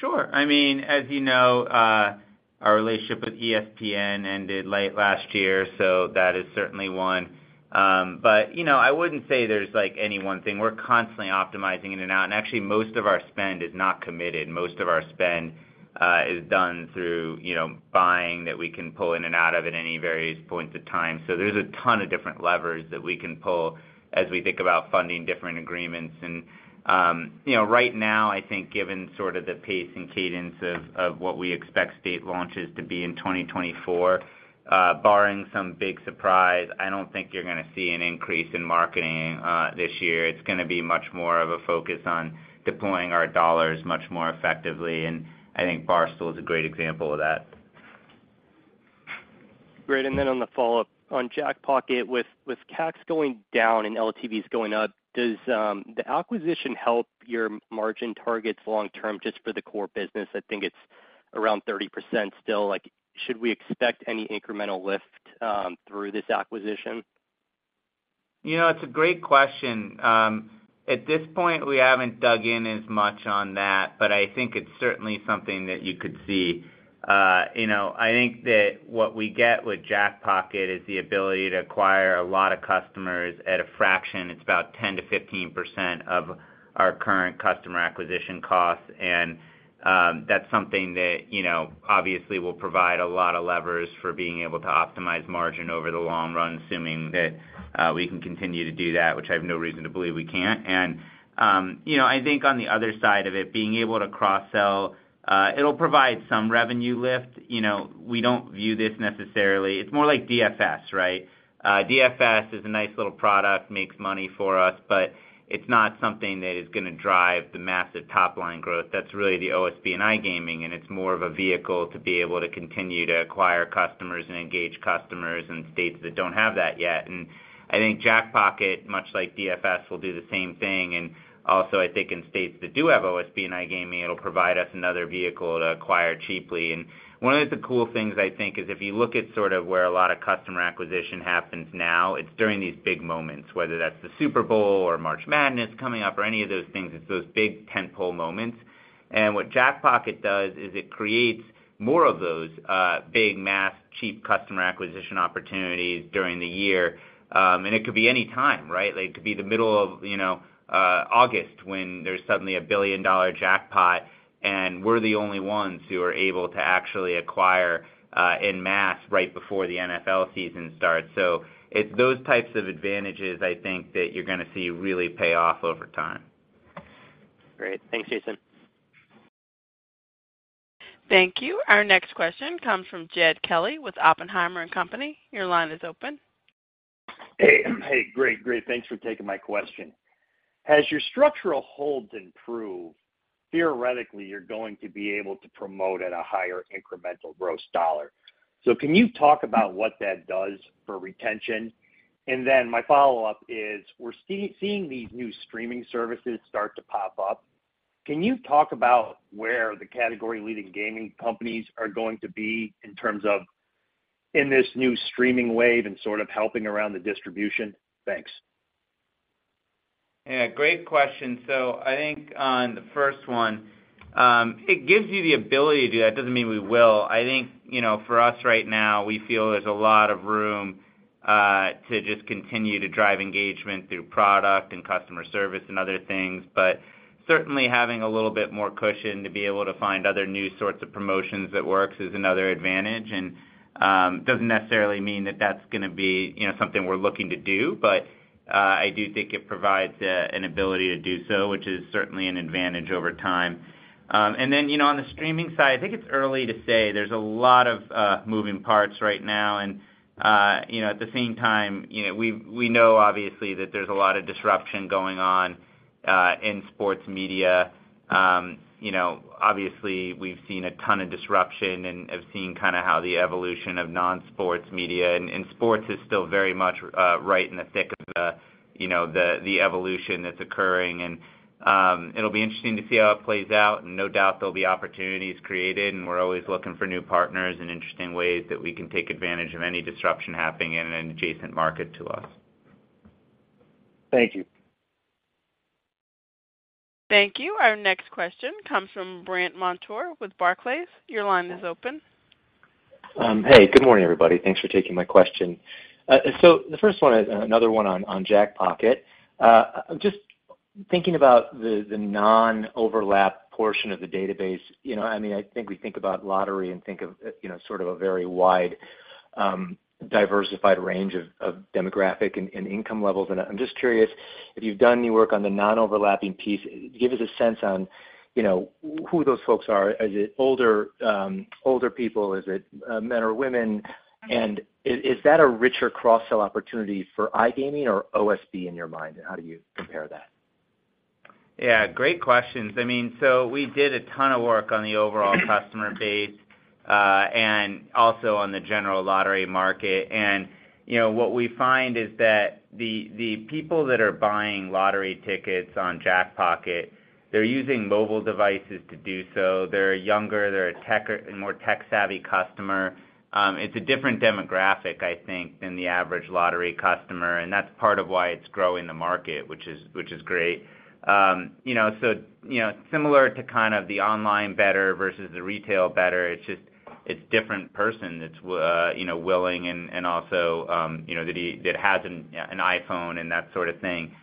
Sure. I mean, as you know, our relationship with ESPN ended late last year, so that is certainly one. But, you know, I wouldn't say there's, like, any one thing. We're constantly optimizing in and out, and actually, most of our spend is not committed. Most of our spend is done through, you know, buying, that we can pull in and out of at any various points of time. So there's a ton of different levers that we can pull as we think about funding different agreements. And, you know, right now, I think, given sort of the pace and cadence of what we expect state launches to be in 2024, barring some big surprise, I don't think you're gonna see an increase in marketing this year. It's gonna be much more of a focus on deploying our dollars much more effectively, and I think Barstool is a great example of that. Great, and then on the follow-up, on Jackpocket, with CACs going down and LTVs going up, does the acquisition help your margin targets long term, just for the core business? I think it's around 30% still. Like, should we expect any incremental lift through this acquisition? You know, it's a great question. At this point, we haven't dug in as much on that, but I think it's certainly something that you could see. You know, I think that what we get with Jackpocket is the ability to acquire a lot of customers at a fraction. It's about 10%-15% of our current customer acquisition costs, and that's something that, you know, obviously will provide a lot of levers for being able to optimize margin over the long run, assuming that we can continue to do that, which I have no reason to believe we can't. You know, I think on the other side of it, being able to cross-sell, it'll provide some revenue lift. You know, we don't view this necessarily. It's more like DFS, right? DFS is a nice little product, makes money for us, but it's not something that is gonna drive the massive top-line growth. That's really the OSB and iGaming, and it's more of a vehicle to be able to continue to acquire customers and engage customers in states that don't have that yet. And I think Jackpocket, much like DFS, will do the same thing. And also, I think in states that do have OSB and iGaming, it'll provide us another vehicle to acquire cheaply. And one of the cool things, I think, is if you look at sort of where a lot of customer acquisition happens now, it's during these big moments, whether that's the Super Bowl or March Madness coming up or any of those things. It's those big tentpole moments. What Jackpocket does is it creates more of those big, mass, cheap customer acquisition opportunities during the year. It could be any time, right? Like, it could be the middle of, you know, August, when there's suddenly a billion-dollar jackpot, and we're the only ones who are able to actually acquire en masse right before the NFL season starts. So it's those types of advantages, I think, that you're gonna see really pay off over time. Great. Thanks, Jason. Thank you. Our next question comes from Jed Kelly with Oppenheimer & Co. Your line is open. Hey, hey, great, great. Thanks for taking my question. As your structural holds improve, theoretically, you're going to be able to promote at a higher incremental gross dollar. So can you talk about what that does for retention? And then my follow-up is: We're seeing these new streaming services start to pop up. Can you talk about where the category-leading gaming companies are going to be in terms of in this new streaming wave and sort of helping around the distribution? Thanks. Yeah, great question. So I think on the first one, it gives you the ability to do that, doesn't mean we will. I think, you know, for us right now, we feel there's a lot of room to just continue to drive engagement through product and customer service and other things. But certainly, having a little bit more cushion to be able to find other new sorts of promotions that works is another advantage, and, doesn't necessarily mean that that's going to be, you know, something we're looking to do. But, I do think it provides an ability to do so, which is certainly an advantage over time. And then, you know, on the streaming side, I think it's early to say. There's a lot of moving parts right now, and you know, at the same time, you know, we know obviously that there's a lot of disruption going on in sports media. You know, obviously, we've seen a ton of disruption and have seen kind of how the evolution of non-sports media, and sports is still very much right in the thick of the you know, the evolution that's occurring. It'll be interesting to see how it plays out, and no doubt there'll be opportunities created, and we're always looking for new partners and interesting ways that we can take advantage of any disruption happening in an adjacent market to us. Thank you. Thank you. Our next question comes from Brandt Montour with Barclays. Your line is open. Hey, good morning, everybody. Thanks for taking my question. So the first one is another one on Jackpocket. Just thinking about the non-overlap portion of the database, you know, I mean, I think we think about lottery and think of, you know, sort of a very wide, diversified range of demographic and income levels. And I'm just curious if you've done any work on the non-overlapping piece. Give us a sense on, you know, who those folks are. Is it older people? Is it men or women? And is that a richer cross-sell opportunity for iGaming or OSB in your mind, and how do you compare that? Yeah, great questions. I mean, so we did a ton of work on the overall customer base, and also on the general lottery market. And, you know, what we find is that the, the people that are buying lottery tickets on Jackpocket, they're using mobile devices to do so. They're younger, they're a tech- a more tech-savvy customer. It's a different demographic, I think, than the average lottery customer, and that's part of why it's growing the market, which is great. You know, so, you know, similar to kind of the online bettor versus the retail bettor, it's just, it's different person that's willing and, and also, you know, that has an, an iPhone and that sort of thing.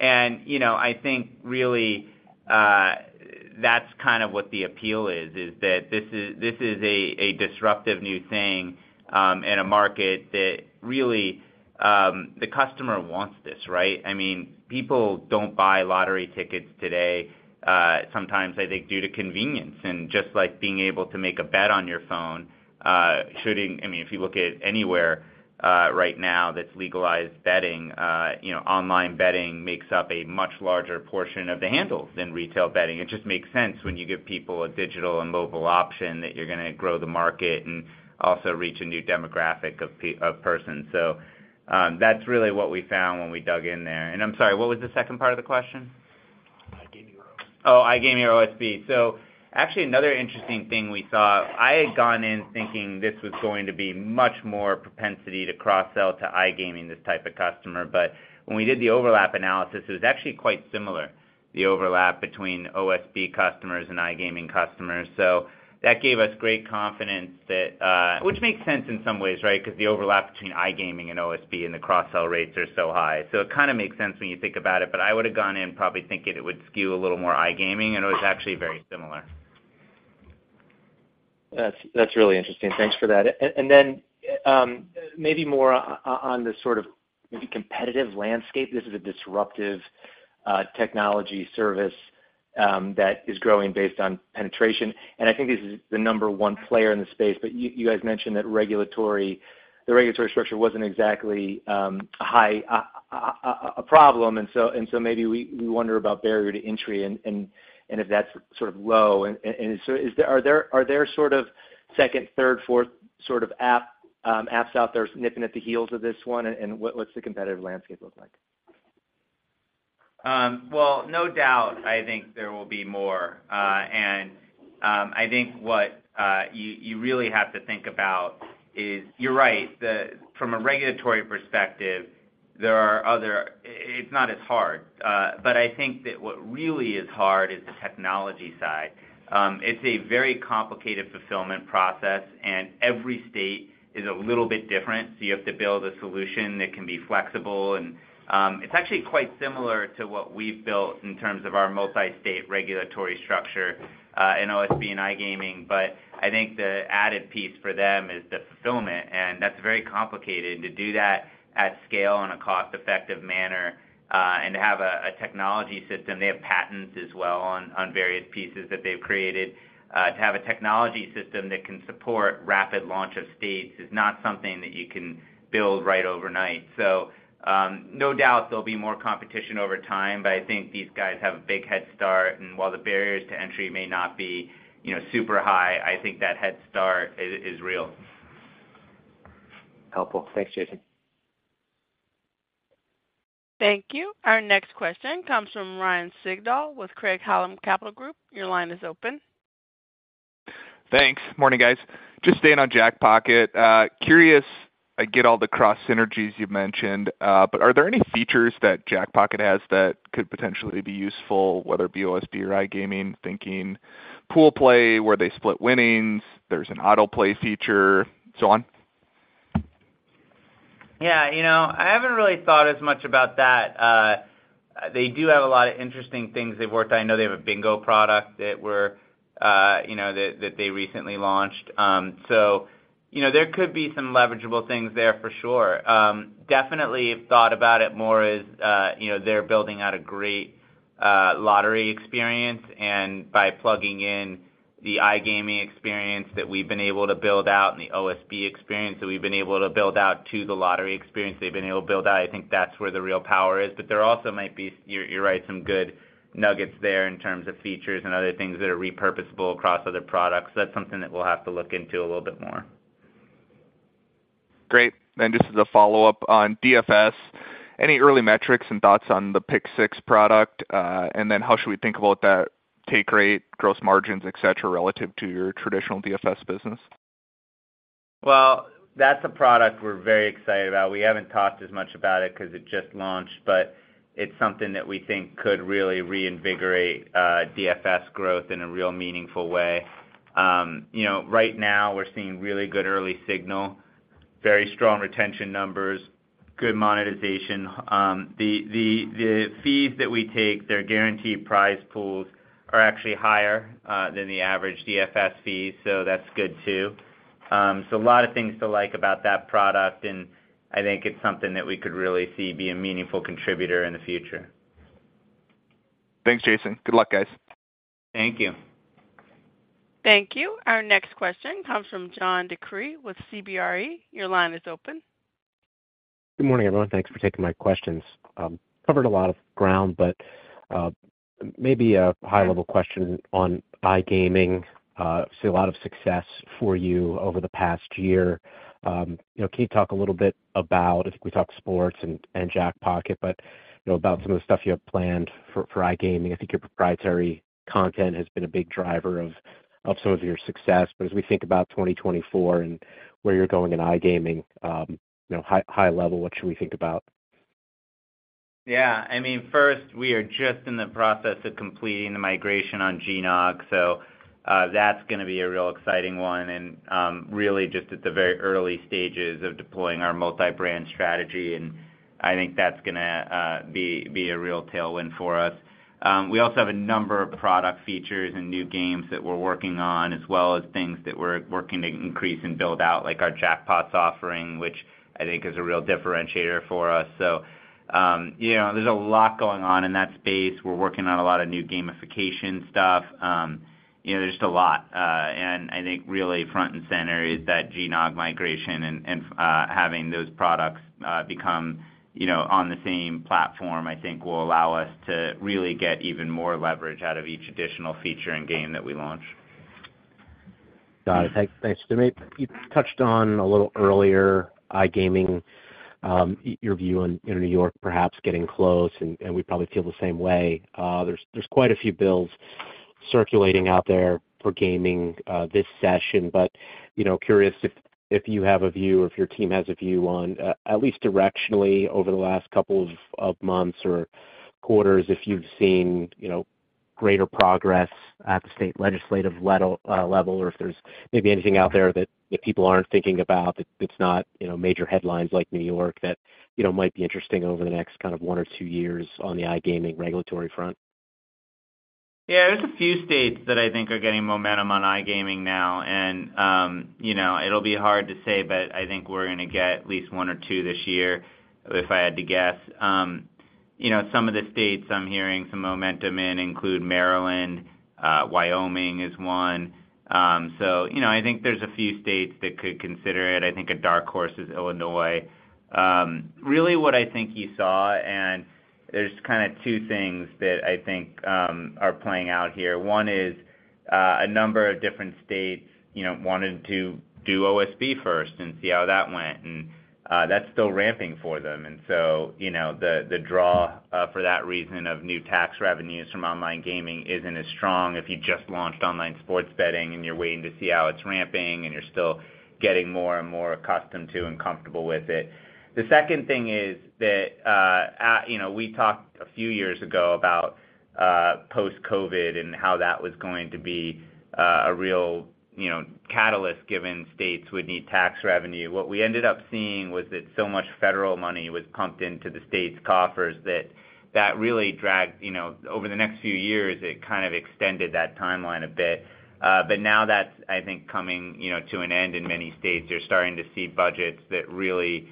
And, you know, I think really, that's kind of what the appeal is, is that this is- this is a, a disruptive new thing, in a market that really, the customer wants this, right? I mean, people don't buy lottery tickets today, sometimes I think, due to convenience. And just like being able to make a bet on your phone, I mean, if you look at anywhere, right now, that's legalized betting, you know, online betting makes up a much larger portion of the handle than retail betting. It just makes sense when you give people a digital and mobile option, that you're gonna grow the market and also reach a new demographic of persons. So, that's really what we found when we dug in there. And I'm sorry, what was the second part of the question? iGaming or OSB. Oh, iGaming or OSB. So actually, another interesting thing we saw, I had gone in thinking this was going to be much more propensity to cross-sell to iGaming, this type of customer. But when we did the overlap analysis, it was actually quite similar, the overlap between OSB customers and iGaming customers. So that gave us great confidence that, which makes sense in some ways, right? Because the overlap between iGaming and OSB and the cross-sell rates are so high. So it kind of makes sense when you think about it, but I would've gone in probably thinking it would skew a little more iGaming, and it was actually very similar. That's really interesting. Thanks for that. And then, maybe more on the sort of maybe competitive landscape. This is a disruptive technology service that is growing based on penetration, and I think this is the number one player in the space. But you guys mentioned that the regulatory structure wasn't exactly high a problem, and so maybe we wonder about barrier to entry and if that's sort of low. And so, are there sort of second, third, fourth sort of apps out there nipping at the heels of this one, and what does the competitive landscape look like? Well, no doubt, I think there will be more. And, I think what you really have to think about is, you're right, from a regulatory perspective, there are other. It's not as hard. But I think that what really is hard is the technology side. It's a very complicated fulfillment process, and every state is a little bit different, so you have to build a solution that can be flexible. And, it's actually quite similar to what we've built in terms of our multi-state regulatory structure in OSB and iGaming. But I think the added piece for them is the fulfillment, and that's very complicated. To do that at scale on a cost-effective manner, and to have a technology system, they have patents as well on various pieces that they've created. To have a technology system that can support rapid launch of states is not something that you can build right overnight. So, no doubt there'll be more competition over time, but I think these guys have a big head start, and while the barriers to entry may not be, you know, super high, I think that head start is real. Helpful. Thanks, Jason. Thank you. Our next question comes from Ryan Sigdahl with Craig-Hallum Capital Group. Your line is open. Thanks. Morning, guys. Just staying on Jackpocket. Curious, I get all the cross synergies you've mentioned, but are there any features that Jackpocket has that could potentially be useful, whether it be OSB or iGaming, thinking pool play, where they split winnings, there's an autoplay feature, so on? Yeah, you know, I haven't really thought as much about that. They do have a lot of interesting things they've worked on. I know they have a bingo product that they recently launched. So, you know, there could be some leverageable things there for sure. Definitely thought about it more as, you know, they're building out a great lottery experience, and by plugging in the iGaming experience that we've been able to build out, and the OSB experience that we've been able to build out to the lottery experience they've been able to build out, I think that's where the real power is. But there also might be, you're right, some good nuggets there in terms of features and other things that are repurposable across other products. That's something that we'll have to look into a little bit more. Great. Then just as a follow-up on DFS, any early metrics and thoughts on the Pick6 product? And then how should we think about that take rate, gross margins, et cetera, relative to your traditional DFS business? Well, that's a product we're very excited about. We haven't talked as much about it 'cause it just launched, but it's something that we think could really reinvigorate DFS growth in a real meaningful way. You know, right now we're seeing really good early signal, very strong retention numbers, good monetization. The fees that we take, their guaranteed prize pools are actually higher than the average DFS fee, so that's good, too. So a lot of things to like about that product, and I think it's something that we could really see be a meaningful contributor in the future. Thanks, Jason. Good luck, guys. Thank you. Thank you. Our next question comes from John DeCree with CBRE. Your line is open. Good morning, everyone. Thanks for taking my questions. Covered a lot of ground, but maybe a high-level question on iGaming. See a lot of success for you over the past year. You know, can you talk a little bit about, I think we talked sports and Jackpocket, but you know, about some of the stuff you have planned for iGaming. I think your proprietary content has been a big driver of some of your success. But as we think about 2024 and where you're going in iGaming, you know, high level, what should we think about? Yeah. I mean, first, we are just in the process of completing the migration on GNOG, so, that's gonna be a real exciting one, and, really just at the very early stages of deploying our multi-brand strategy, and I think that's gonna, be, be a real tailwind for us. We also have a number of product features and new games that we're working on, as well as things that we're working to increase and build out, like our Jackpots offering, which I think is a real differentiator for us. So, you know, there's a lot going on in that space. We're working on a lot of new gamification stuff. You know, there's just a lot, and I think really front and center is that GNOG migration and having those products become, you know, on the same platform. I think will allow us to really get even more leverage out of each additional feature and game that we launch. Got it. Thanks. To me, you touched on a little earlier, iGaming, your view on, in New York, perhaps getting close, and we probably feel the same way. There's quite a few bills circulating out there for gaming this session, but you know, curious if you have a view or if your team has a view on at least directionally over the last couple of months or quarters, if you've seen you know, greater progress at the state legislative level, or if there's maybe anything out there that the people aren't thinking about, that's not you know, major headlines like New York that you know, might be interesting over the next kind of one or two years on the iGaming regulatory front. Yeah, there's a few states that I think are getting momentum on iGaming now, and, you know, it'll be hard to say, but I think we're gonna get at least one or two this year, if I had to guess. You know, some of the states I'm hearing some momentum in include Maryland, Wyoming is one. So, you know, I think there's a few states that could consider it. I think a dark horse is Illinois. Really what I think you saw, and there's kinda two things that I think are playing out here. One is, a number of different states, you know, wanted to do OSB first and see how that went, and, that's still ramping for them. And so, you know, the draw for that reason of new tax revenues from online gaming isn't as strong if you just launched online sports betting, and you're waiting to see how it's ramping, and you're still getting more and more accustomed to and comfortable with it. The second thing is that, you know, we talked a few years ago about post-COVID and how that was going to be a real, you know, catalyst, given states would need tax revenue. What we ended up seeing was that so much federal money was pumped into the states' coffers that that really dragged. You know, over the next few years, it kind of extended that timeline a bit. But now that's, I think, coming, you know, to an end in many states. You're starting to see budgets that really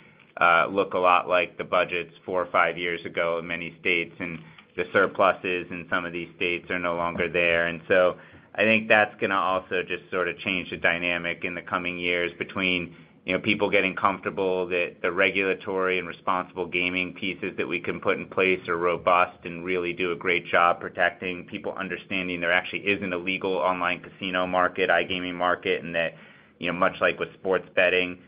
look a lot like the budgets four or five years ago in many states, and the surpluses in some of these states are no longer there. And so I think that's gonna also just sorta change the dynamic in the coming years between, you know, people getting comfortable that the regulatory and responsible gaming pieces that we can put in place are robust and really do a great job protecting people, understanding there actually is an illegal online casino market, iGaming market, and that, you know, much like with sports betting,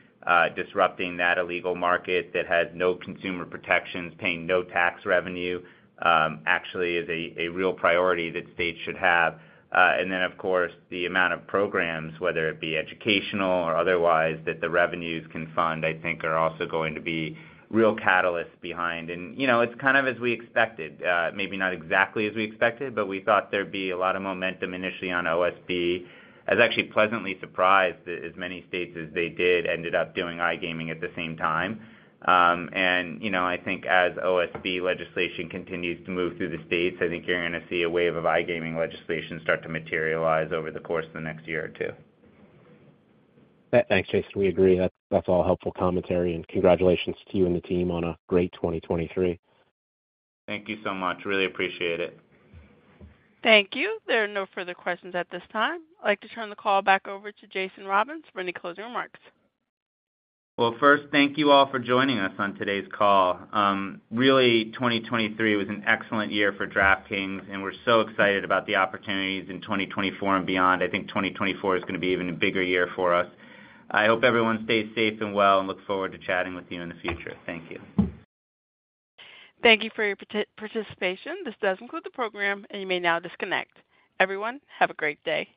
disrupting that illegal market that has no consumer protections, paying no tax revenue, actually is a real priority that states should have. And then, of course, the amount of programs, whether it be educational or otherwise, that the revenues can fund, I think are also going to be real catalysts behind. And, you know, it's kind of as we expected. Maybe not exactly as we expected, but we thought there'd be a lot of momentum initially on OSB. I was actually pleasantly surprised that as many states as they did, ended up doing iGaming at the same time. And, you know, I think as OSB legislation continues to move through the states, I think you're gonna see a wave of iGaming legislation start to materialize over the course of the next year or two. Thanks, Jason. We agree. That's, that's all helpful commentary, and congratulations to you and the team on a great 2023. Thank you so much. Really appreciate it. Thank you. There are no further questions at this time. I'd like to turn the call back over to Jason Robins for any closing remarks. Well, first, thank you all for joining us on today's call. Really, 2023 was an excellent year for DraftKings, and we're so excited about the opportunities in 2024 and beyond. I think 2024 is gonna be even a bigger year for us. I hope everyone stays safe and well, and look forward to chatting with you in the future. Thank you. Thank you for your participation. This does conclude the program, and you may now disconnect. Everyone, have a great day.